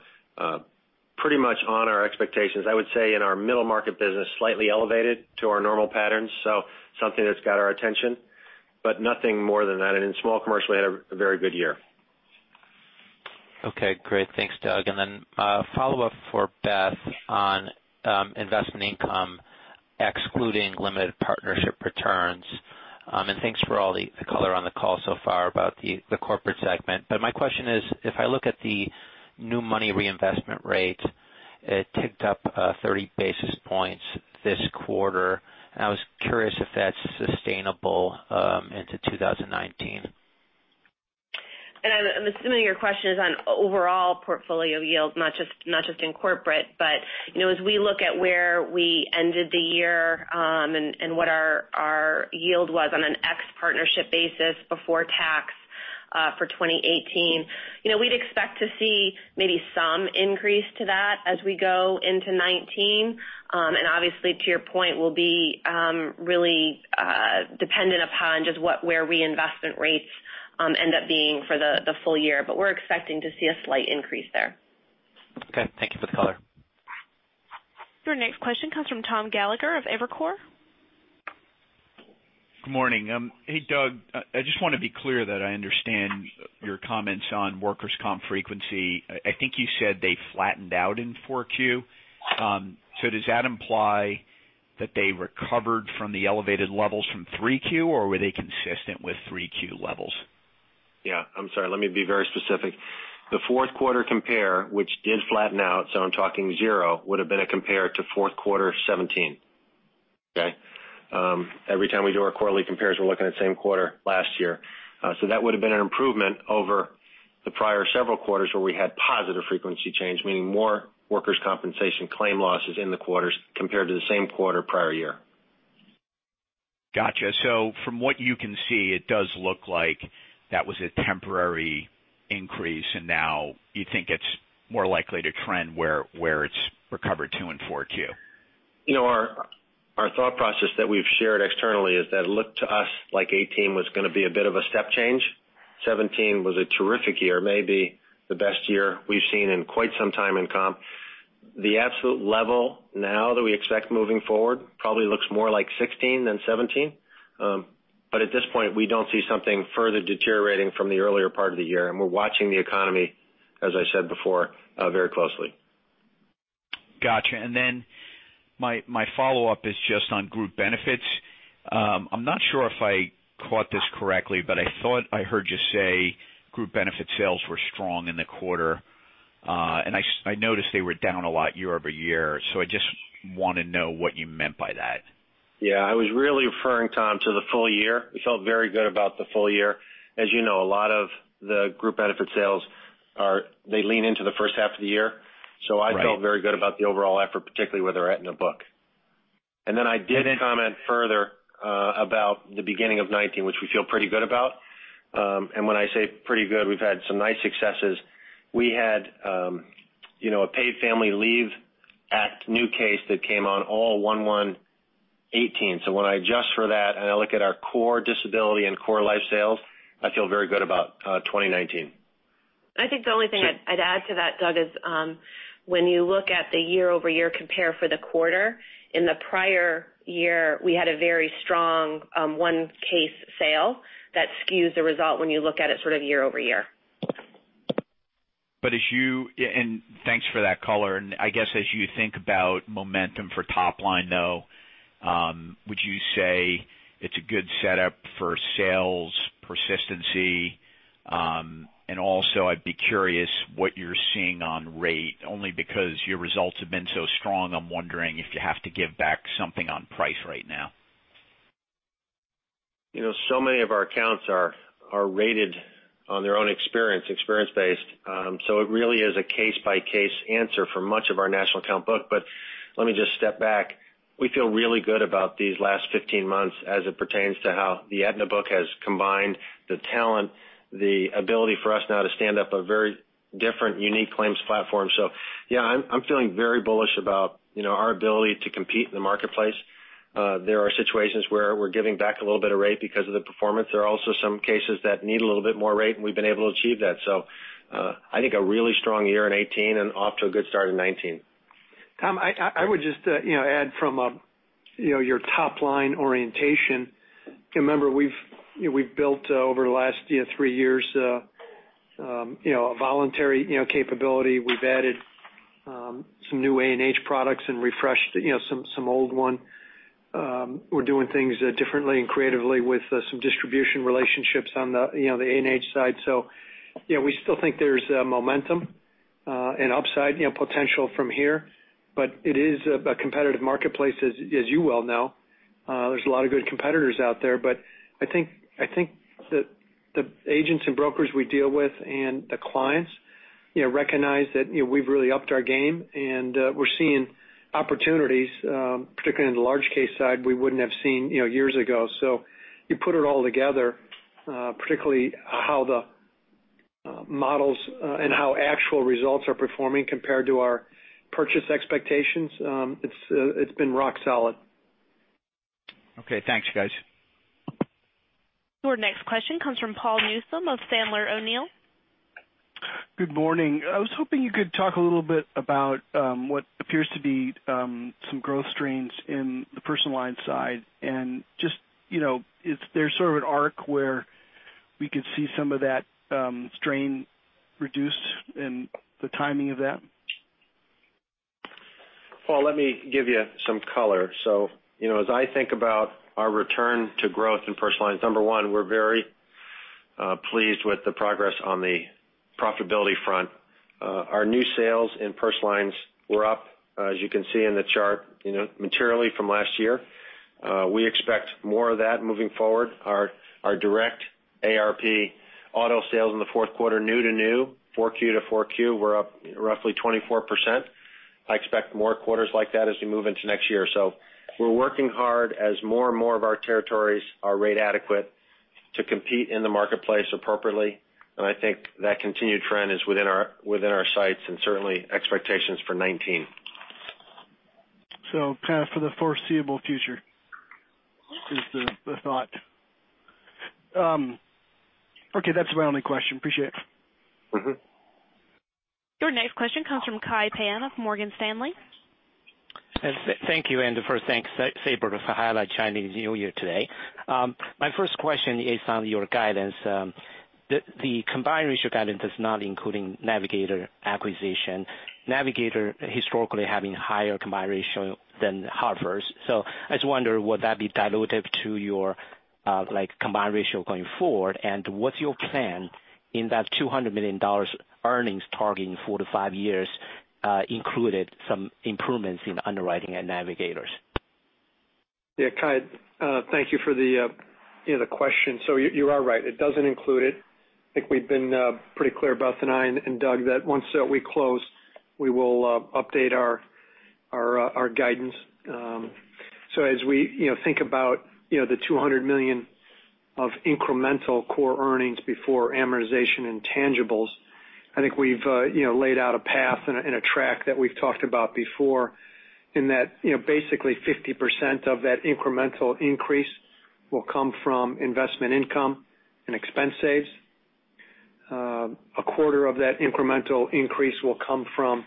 pretty much on our expectations. I would say in our middle market business, slightly elevated to our normal patterns, so something that's got our attention, but nothing more than that. In small commercially, had a very good year. Okay, great. Thanks, Doug. A follow-up for Beth on investment income, excluding limited partnership returns. Thanks for all the color on the call so far about the corporate segment. My question is, if I look at the new money reinvestment rate, it ticked up 30 basis points this quarter. I was curious if that's sustainable into 2019. I'm assuming your question is on overall portfolio yield, not just in corporate. As we look at where we ended the year, what our yield was on an ex-partnership basis before tax for 2018, we'd expect to see maybe some increase to that as we go into 2019. Obviously, to your point, we'll be really dependent upon just where reinvestment rates end up being for the full year. We're expecting to see a slight increase there. Okay. Thank you for the color. Your next question comes from Tom Gallagher of Evercore. Good morning. Hey, Doug, I just want to be clear that I understand your comments on workers' comp frequency. I think you said they flattened out in 4Q. Does that imply that they recovered from the elevated levels from 3Q, or were they consistent with 3Q levels? Yeah. I'm sorry. Let me be very specific. The fourth quarter compare, which did flatten out, I'm talking zero, would've been a compare to fourth quarter 2017. Okay? Every time we do our quarterly compares, we're looking at same quarter last year. That would've been an improvement over the prior several quarters where we had positive frequency change, meaning more workers' compensation claim losses in the quarters compared to the same quarter prior year. Got you. From what you can see, it does look like that was a temporary increase, and now you think it's more likely to trend where it's recovered to in 4Q. Our thought process that we've shared externally is that it looked to us like 2018 was going to be a bit of a step change. 2017 was a terrific year, maybe the best year we've seen in quite some time in comp. The absolute level now that we expect moving forward probably looks more like 2016 than 2017. At this point, we don't see something further deteriorating from the earlier part of the year, and we're watching the economy, as I said before, very closely. Got you. My follow-up is just on Group Benefits. I'm not sure if I caught this correctly, but I thought I heard you say Group Benefits sales were strong in the quarter. I noticed they were down a lot year-over-year, I just want to know what you meant by that. I was really referring, Tom, to the full year. We felt very good about the full year. As you know, a lot of the Group Benefits sales lean into the first half of the year. Right. I felt very good about the overall effort, particularly where they're at in the book. I did comment further about the beginning of 2019, which we feel pretty good about. When I say pretty good, we've had some nice successes. We had a Paid Family Leave Act new case that came on all 01/01/2018. When I adjust for that, I look at our core disability and core life sales, I feel very good about 2019. I think the only thing I'd add to that, Doug, is when you look at the year-over-year compare for the quarter, in the prior year, we had a very strong one case sale that skews the result when you look at it sort of year-over-year. Thanks for that color. I guess as you think about momentum for top line, though, would you say it's a good setup for sales persistency? Also, I'd be curious what you're seeing on rate only because your results have been so strong. I'm wondering if you have to give back something on price right now. Many of our accounts are rated on their own experience-based. It really is a case-by-case answer for much of our national account book. Let me just step back. We feel really good about these last 15 months as it pertains to how the Aetna book has combined the talent, the ability for us now to stand up a very different, unique claims platform. Yeah, I'm feeling very bullish about our ability to compete in the marketplace. There are situations where we're giving back a little bit of rate because of the performance. There are also some cases that need a little bit more rate, and we've been able to achieve that. I think a really strong year in 2018 and off to a good start in 2019. Tom, I would just add from your top-line orientation, remember we've built over the last three years a voluntary capability. We've added some new A&H products and refreshed some old one. We're doing things differently and creatively with some distribution relationships on the A&H side. We still think there's momentum, and upside potential from here, but it is a competitive marketplace, as you well know. There's a lot of good competitors out there, but I think that the agents and brokers we deal with and the clients recognize that we've really upped our game, and we're seeing opportunities, particularly in the large case side, we wouldn't have seen years ago. You put it all together, particularly how the models and how actual results are performing compared to our purchase expectations. It's been rock solid. Okay, thanks, guys. Your next question comes from Paul Newsome of Sandler O'Neill. Good morning. I was hoping you could talk a little bit about what appears to be some growth strains in the personal line side and just, is there sort of an arc where we could see some of that strain reduced and the timing of that? Paul, let me give you some color. As I think about our return to growth in Personal Lines, number one we're very pleased with the progress on the profitability front. Our new sales in Personal Lines were up, as you can see in the chart, materially from last year. We expect more of that moving forward. Our direct AARP auto sales in the fourth quarter, new to new, 4Q to 4Q, were up roughly 24%. I expect more quarters like that as we move into next year. We're working hard as more and more of our territories are rate adequate to compete in the marketplace appropriately, and I think that continued trend is within our sights and certainly expectations for 2019. Kind of for the foreseeable future is the thought. Okay, that's my only question. Appreciate it. Your next question comes from Kai Pan of Morgan Stanley. Thank you. First, thanks, Sabra, for highlight Chinese New Year today. My first question is on your guidance. The combined ratio guidance is not including Navigators acquisition. Navigators historically having higher combined ratio than The Hartford. I just wonder, would that be dilutive to your combined ratio going forward, and what's your plan in that $200 million earnings target in four to five years included some improvements in underwriting at Navigators? Kai, thank you for the question. You are right. It doesn't include it. I think we've been pretty clear, both, and I, and Doug that once we close, we will update our guidance. As we think about the $200 million of incremental core earnings before amortization and tangibles, I think we've laid out a path and a track that we've talked about before in that basically 50% of that incremental increase will come from investment income and expense saves. A quarter of that incremental increase will come from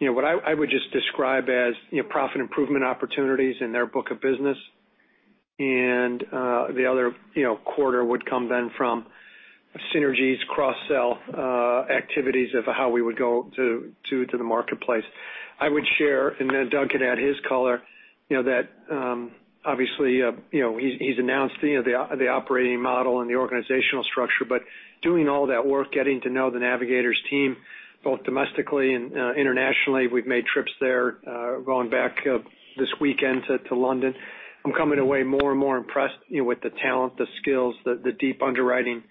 what I would just describe as profit improvement opportunities in their book of business, the other quarter would come then from synergies, cross-sell activities of how we would go to the marketplace. I would share, then Doug could add his color, that obviously he's announced the operating model and the organizational structure, but doing all that work, getting to know the Navigators team, both domestically and internationally. We've made trips there, going back this weekend to London. I'm coming away more and more impressed with the talent, the skills, the deep underwriting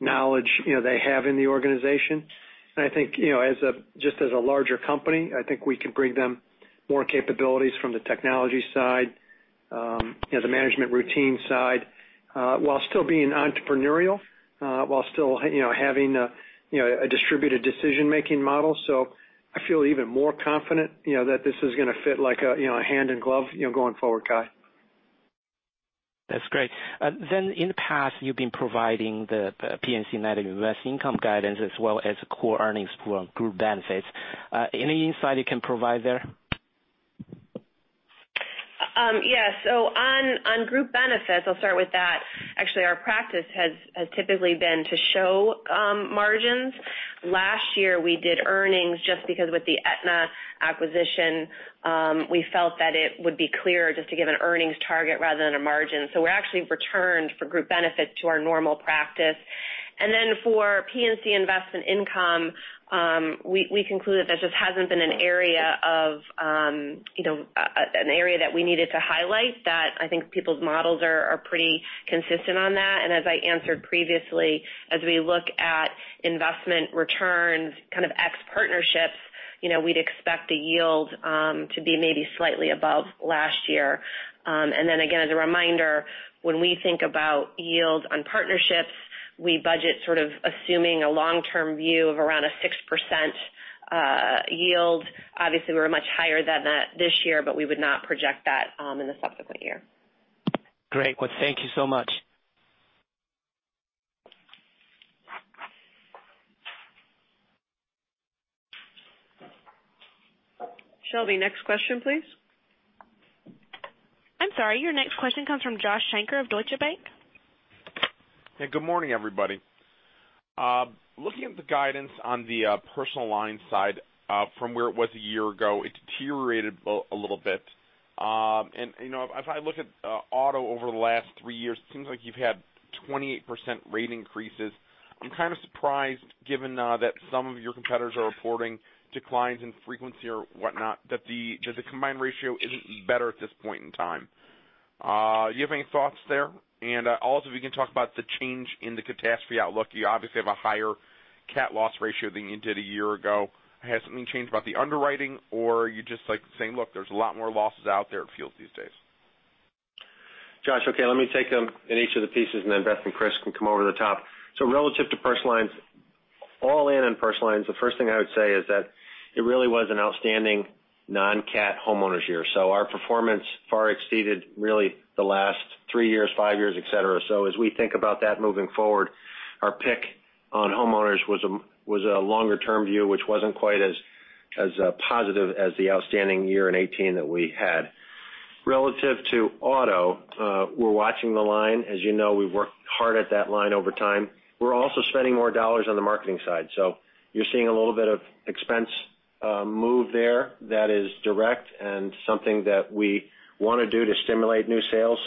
knowledge they have in the organization. I think, just as a larger company, I think we can bring them more capabilities from the technology side, the management routine side, while still being entrepreneurial, while still having a distributed decision-making model. I feel even more confident that this is going to fit like a hand in glove going forward, Kai. That's great. In the past, you've been providing the P&C net investment income guidance as well as the core earnings per Group Benefits. Any insight you can provide there? Yes. On Group Benefits, I'll start with that. Actually, our practice has typically been to show margins. Last year, we did earnings just because with the Aetna acquisition, we felt that it would be clearer just to give an earnings target rather than a margin. We're actually returned for Group Benefits to our normal practice. For P&C investment income, we concluded there just hasn't been an area that we needed to highlight that I think people's models are pretty consistent on that. As I answered previously, as we look at investment returns, kind of ex-partnerships, we'd expect a yield to be maybe slightly above last year. As a reminder, when we think about yields on partnerships, we budget sort of assuming a long-term view of around a 6% yield. Obviously, we were much higher than that this year, we would not project that in the subsequent year. Great. Well, thank you so much. Shelby, next question, please. I'm sorry. Your next question comes from Josh Shanker of Deutsche Bank. Yeah, good morning, everybody. Looking at the guidance on the Personal Lines side from where it was a year ago, it deteriorated a little bit. If I look at auto over the last three years, it seems like you've had 28% rate increases. I'm kind of surprised given that some of your competitors are reporting declines in frequency or whatnot, that the combined ratio isn't better at this point in time. Do you have any thoughts there? Also, if you can talk about the change in the catastrophe outlook. You obviously have a higher cat loss ratio than you did a year ago. Has something changed about the underwriting or are you just saying, "Look, there's a lot more losses out there it feels these days. Josh, okay, let me take them in each of the pieces, and then Beth and Chris can come over the top. Relative to Personal Lines, all in on Personal Lines, the first thing I would say is that it really was an outstanding non-cat homeowners year. Our performance far exceeded really the last three years, five years, et cetera. As we think about that moving forward, our pick on homeowners was a longer-term view, which wasn't quite as positive as the outstanding year in 2018 that we had. Relative to auto, we're watching the line. As you know, we've worked hard at that line over time. We're also spending more dollars on the marketing side. You're seeing a little bit of expense move there that is direct and something that we want to do to stimulate new sales.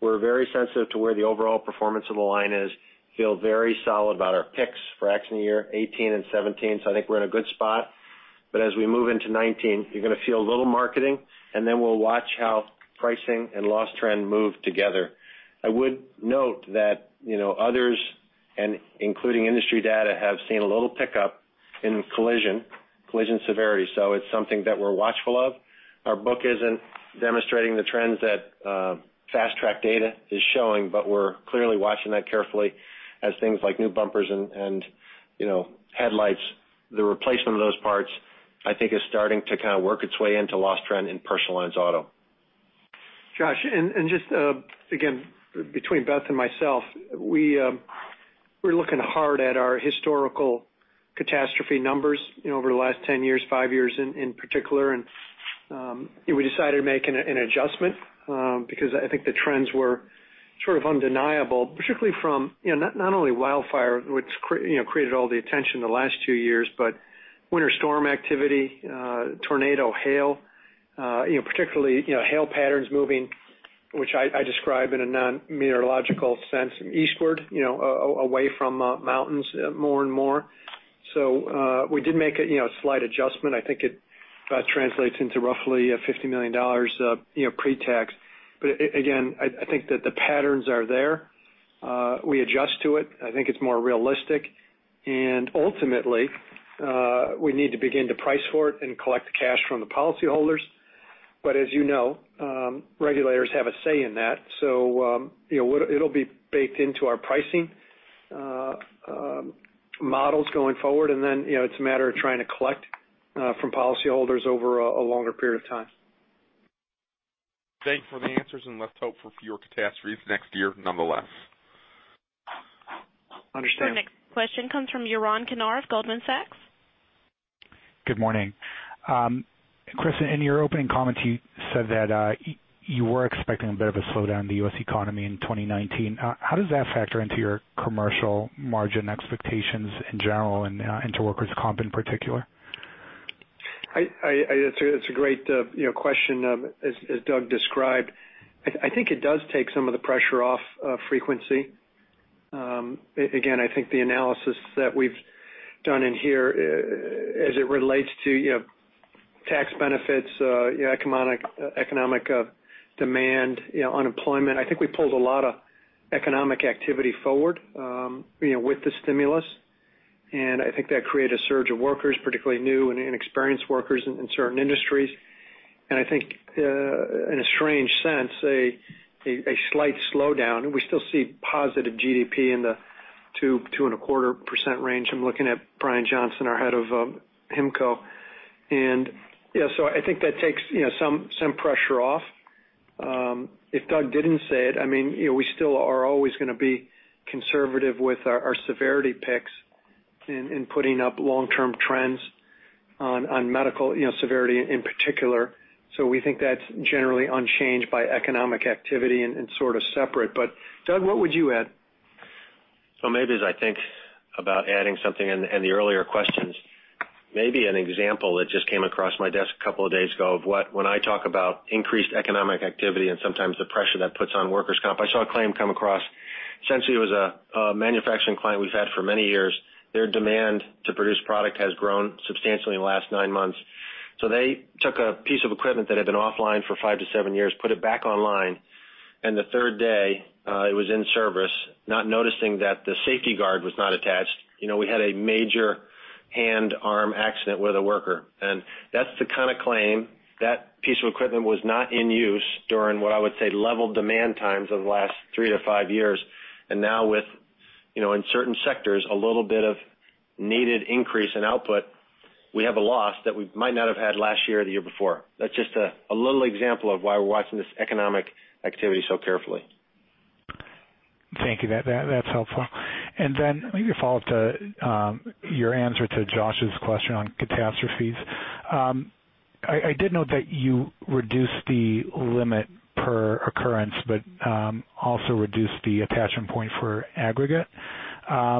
We're very sensitive to where the overall performance of the line is. Feel very solid about our picks for accident year 2018 and 2017. I think we're in a good spot. As we move into 2019, you're going to see a little marketing, and then we'll watch how pricing and loss trend move together. I would note that others, and including industry data, have seen a little pickup in collision severity. It's something that we're watchful of. Our book isn't demonstrating the trends that fast-track data is showing, but we're clearly watching that carefully as things like new bumpers and headlights, the replacement of those parts, I think is starting to kind of work its way into loss trend in Personal Lines auto. Josh, between Beth and myself, we're looking hard at our historical catastrophe numbers over the last 10 years, five years in particular. We decided to make an adjustment because I think the trends were sort of undeniable, particularly from not only wildfire, which created all the attention in the last two years, but winter storm activity, tornado, hail. Particularly hail patterns moving, which I describe in a non-meteorological sense, eastward, away from mountains more and more. We did make a slight adjustment. I think it translates into roughly $50 million pre-tax. Again, I think that the patterns are there. We adjust to it. I think it's more realistic. Ultimately, we need to begin to price for it and collect the cash from the policyholders. As you know, regulators have a say in that. It'll be baked into our pricing models going forward, and then it's a matter of trying to collect from policyholders over a longer period of time. Thanks for the answers. Let's hope for fewer catastrophes next year, nonetheless. Understood. Our next question comes from Yaron Kinar of Goldman Sachs. Good morning. Chris, in your opening comments, you said that you were expecting a bit of a slowdown in the U.S. economy in 2019. How does that factor into your commercial margin expectations in general and into workers' comp in particular? It's a great question. As Doug described, I think it does take some of the pressure off frequency. Again, I think the analysis that we've done in here as it relates to tax benefits, economic demand, unemployment, I think we pulled a lot of economic activity forward with the stimulus. I think that created a surge of workers, particularly new and inexperienced workers in certain industries. I think, in a strange sense, a slight slowdown. We still see positive GDP in the 2%-2.25% range. I'm looking at Brian Johnson, our head of HIMCO. I think that takes some pressure off. If Doug didn't say it, we still are always going to be conservative with our severity picks in putting up long-term trends on medical severity in particular. We think that's generally unchanged by economic activity and sort of separate. Doug, what would you add? Maybe as I think about adding something in the earlier questions, maybe an example that just came across my desk a couple of days ago of when I talk about increased economic activity and sometimes the pressure that puts on workers' comp. I saw a claim come across. Essentially, it was a manufacturing client we've had for many years. Their demand to produce product has grown substantially in the last nine months. They took a piece of equipment that had been offline for five to seven years, put it back online, and the third day it was in service, not noticing that the safety guard was not attached. We had a major hand, arm accident with a worker, that's the kind of claim. That piece of equipment was not in use during what I would say level demand times over the last three to five years. In certain sectors, a little bit of needed increase in output, we have a loss that we might not have had last year or the year before. That's just a little example of why we're watching this economic activity so carefully. Thank you. That's helpful. Maybe a follow-up to your answer to Josh's question on catastrophes. I did note that you reduced the limit per occurrence, but also reduced the attachment point for aggregate. As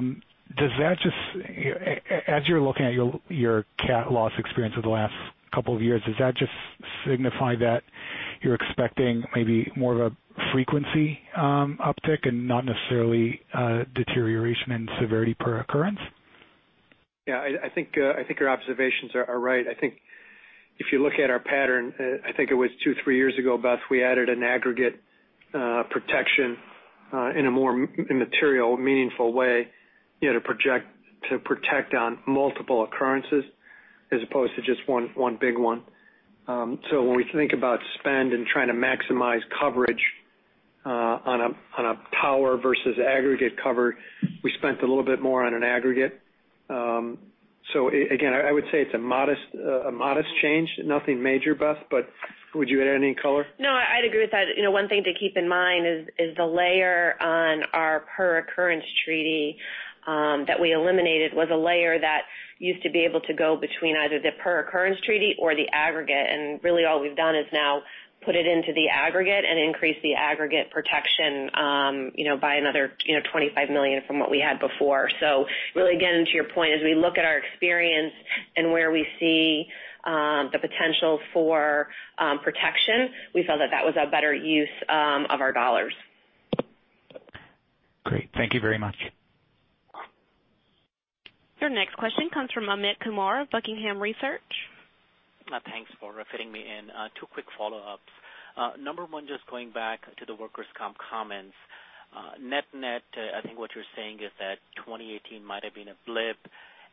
you're looking at your cat loss experience over the last couple of years, does that just signify that you're expecting maybe more of a frequency uptick and not necessarily a deterioration in severity per occurrence? Yeah, I think your observations are right. I think if you look at our pattern, I think it was two, three years ago, Beth, we added an aggregate protection in a more material, meaningful way to protect on multiple occurrences as opposed to just one big one. When we think about spend and trying to maximize coverage on a tower versus aggregate cover, we spent a little bit more on an aggregate. Again, I would say it's a modest change. Nothing major, Beth, but would you add any color? No, I'd agree with that. One thing to keep in mind is the layer on our per occurrence treaty that we eliminated was a layer that used to be able to go between either the per-occurrence treaty or the aggregate. Really all we've done is now put it into the aggregate and increased the aggregate protection by another $25 million from what we had before. Really, again, to your point, as we look at our experience and where we see the potential for protection, we felt that that was a better use of our dollars. Great. Thank you very much. Your next question comes from Amit Kumar of Buckingham Research. Thanks for fitting me in. Two quick follow-ups. Number one, just going back to the workers' comp comments. Net-net, I think what you're saying is that 2018 might have been a blip,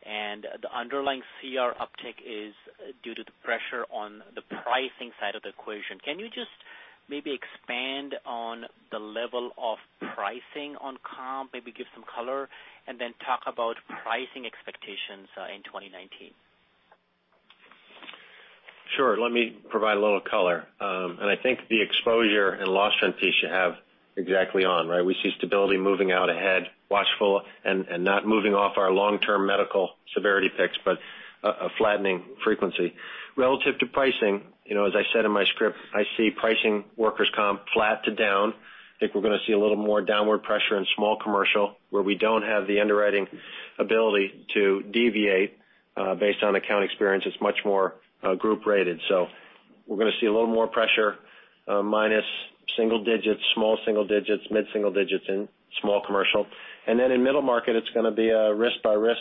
and the underlying CR uptick is due to the pressure on the pricing side of the equation. Can you just maybe expand on the level of pricing on comp, maybe give some color, and then talk about pricing expectations in 2019? Sure. Let me provide a little color. I think the exposure and loss trend piece you have exactly on, right? We see stability moving out ahead, watchful, and not moving off our long-term medical severity picks, but a flattening frequency. Relative to pricing, as I said in my script, I see pricing workers' comp flat to down. I think we're going to see a little more downward pressure in small commercial, where we don't have the underwriting ability to deviate based on account experience. It's much more group-rated. We're going to see a little more pressure, minus single digits, small single digits, mid-single digits in small commercial. Then in middle market, it's going to be a risk-by-risk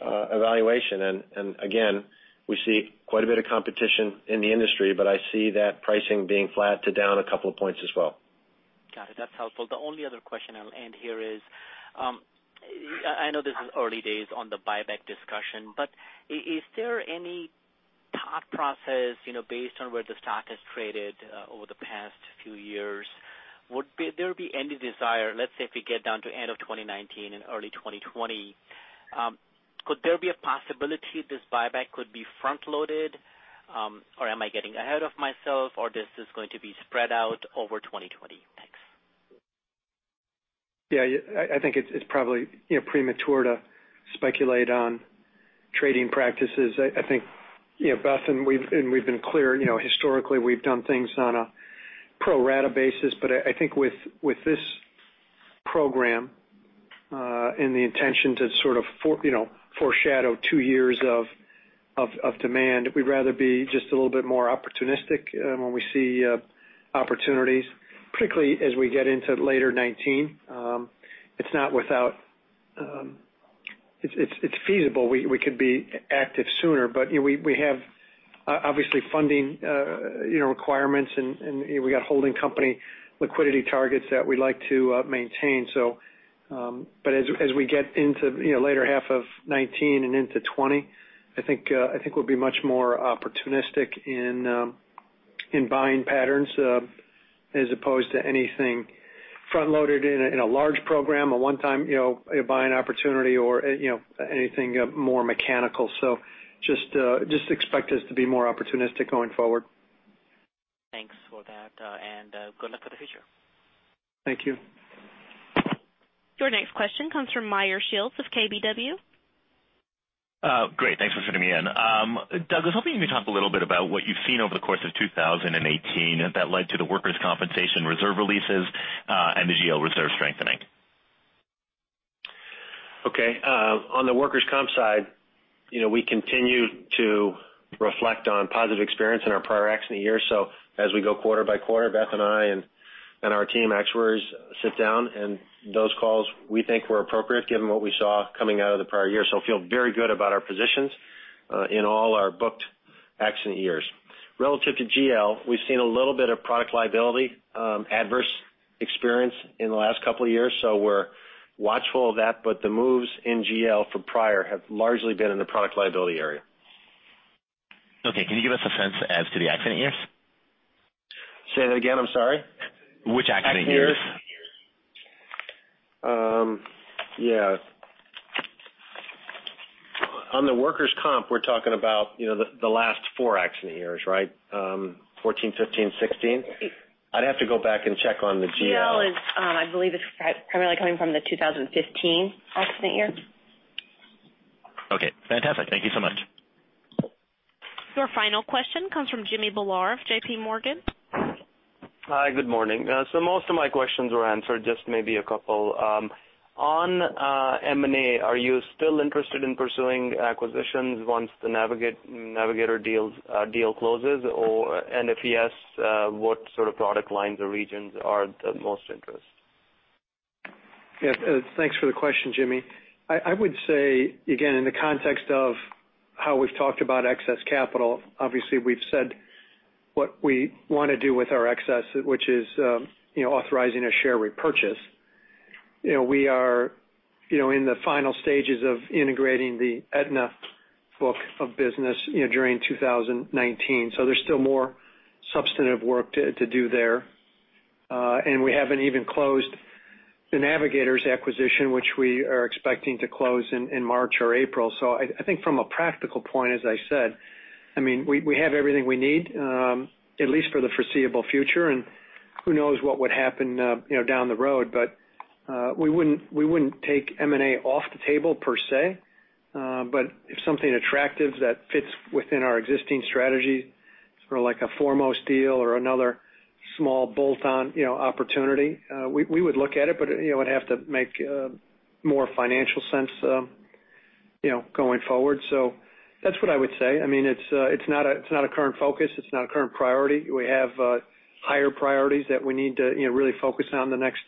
evaluation. Again, we see quite a bit of competition in the industry, but I see that pricing being flat to down a couple of points as well. Got it. That's helpful. The only other question I'll end here is, I know this is early days on the buyback discussion, but is there any thought process based on where the stock has traded over the past few years? Would there be any desire, let's say, if we get down to end of 2019 and early 2020, could there be a possibility this buyback could be front-loaded? Am I getting ahead of myself, or this is going to be spread out over 2020? Thanks. Yeah, I think it's probably premature to speculate on trading practices. I think Beth, and we've been clear historically, we've done things on a pro rata basis. I think with this program and the intention to foreshadow two years of demand. We'd rather be just a little bit more opportunistic when we see opportunities, particularly as we get into later 2019. It's feasible we could be active sooner. We have obviously funding requirements, and we got holding company liquidity targets that we like to maintain. As we get into later half of 2019 and into 2020, I think we'll be much more opportunistic in buying patterns as opposed to anything front-loaded in a large program, a one-time buying opportunity or anything more mechanical. Just expect us to be more opportunistic going forward. Thanks for that. Good luck for the future. Thank you. Your next question comes from Meyer Shields of KBW. Great. Thanks for fitting me in. Doug, I was hoping you could talk a little bit about what you've seen over the course of 2018 that led to the workers' compensation reserve releases and the GL reserve strengthening. Okay. On the workers' comp side, we continue to reflect on positive experience in our prior accident years. As we go quarter by quarter, Beth and I and our team actuaries sit down, and those calls, we think, were appropriate given what we saw coming out of the prior year. Feel very good about our positions in all our booked accident years. Relative to GL, we've seen a little bit of product liability adverse experience in the last couple of years, so we're watchful of that. The moves in GL for prior have largely been in the product liability area. Okay. Can you give us a sense as to the accident years? Say that again, I'm sorry. Which accident years? Accident years. Yeah. On the workers' comp, we're talking about the last four accident years, right? 2014, 2015, 2016. I'd have to go back and check on the GL. GL is, I believe, is primarily coming from the 2015 accident year. Okay. Fantastic. Thank you so much. Your final question comes from Jimmy Bhullar of JPMorgan. Hi. Good morning. Most of my questions were answered, just maybe a couple. On M&A, are you still interested in pursuing acquisitions once the Navigators deal closes? If yes, what sort of product lines or regions are of most interest? Yes, thanks for the question, Jimmy. I would say, again, in the context of how we've talked about excess capital, obviously, we've said what we want to do with our excess, which is authorizing a share repurchase. We are in the final stages of integrating the Aetna book of business during 2019. There's still more substantive work to do there. We haven't even closed the Navigators acquisition, which we are expecting to close in March or April. I think from a practical point, as I said, we have everything we need, at least for the foreseeable future, and who knows what would happen down the road. We wouldn't take M&A off the table per se. If something attractive that fits within our existing strategy for like a Foremost deal or another small bolt-on opportunity, we would look at it, but it would have to make more financial sense going forward. That's what I would say. It's not a current focus. It's not a current priority. We have higher priorities that we need to really focus on in the next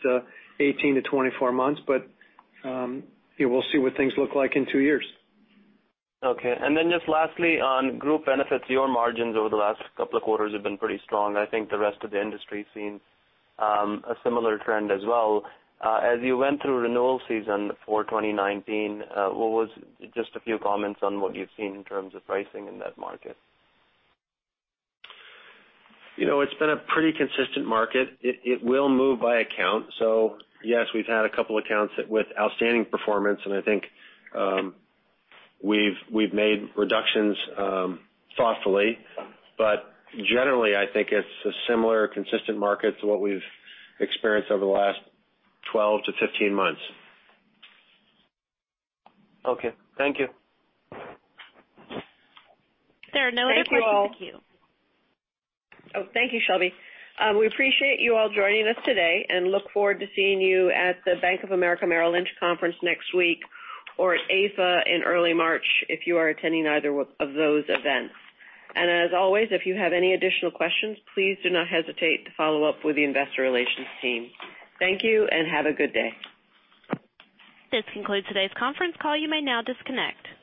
18-24 months. We'll see what things look like in two years. Okay. Just lastly, on Group Benefits, your margins over the last couple of quarters have been pretty strong. I think the rest of the industry has seen a similar trend as well. As you went through renewal season for 2019, just a few comments on what you've seen in terms of pricing in that market. It's been a pretty consistent market. It will move by account. Yes, we've had a couple of accounts with outstanding performance, and I think we've made reductions thoughtfully. Generally, I think it's a similar consistent market to what we've experienced over the last 12-15 months. Okay. Thank you. There are no other questions in the queue. Thank you all. Oh, thank you, Shelby. We appreciate you all joining us today and look forward to seeing you at the Bank of America Merrill Lynch conference next week or at AFA in early March if you are attending either of those events. As always, if you have any additional questions, please do not hesitate to follow up with the investor relations team. Thank you, and have a good day. This concludes today's conference call. You may now disconnect.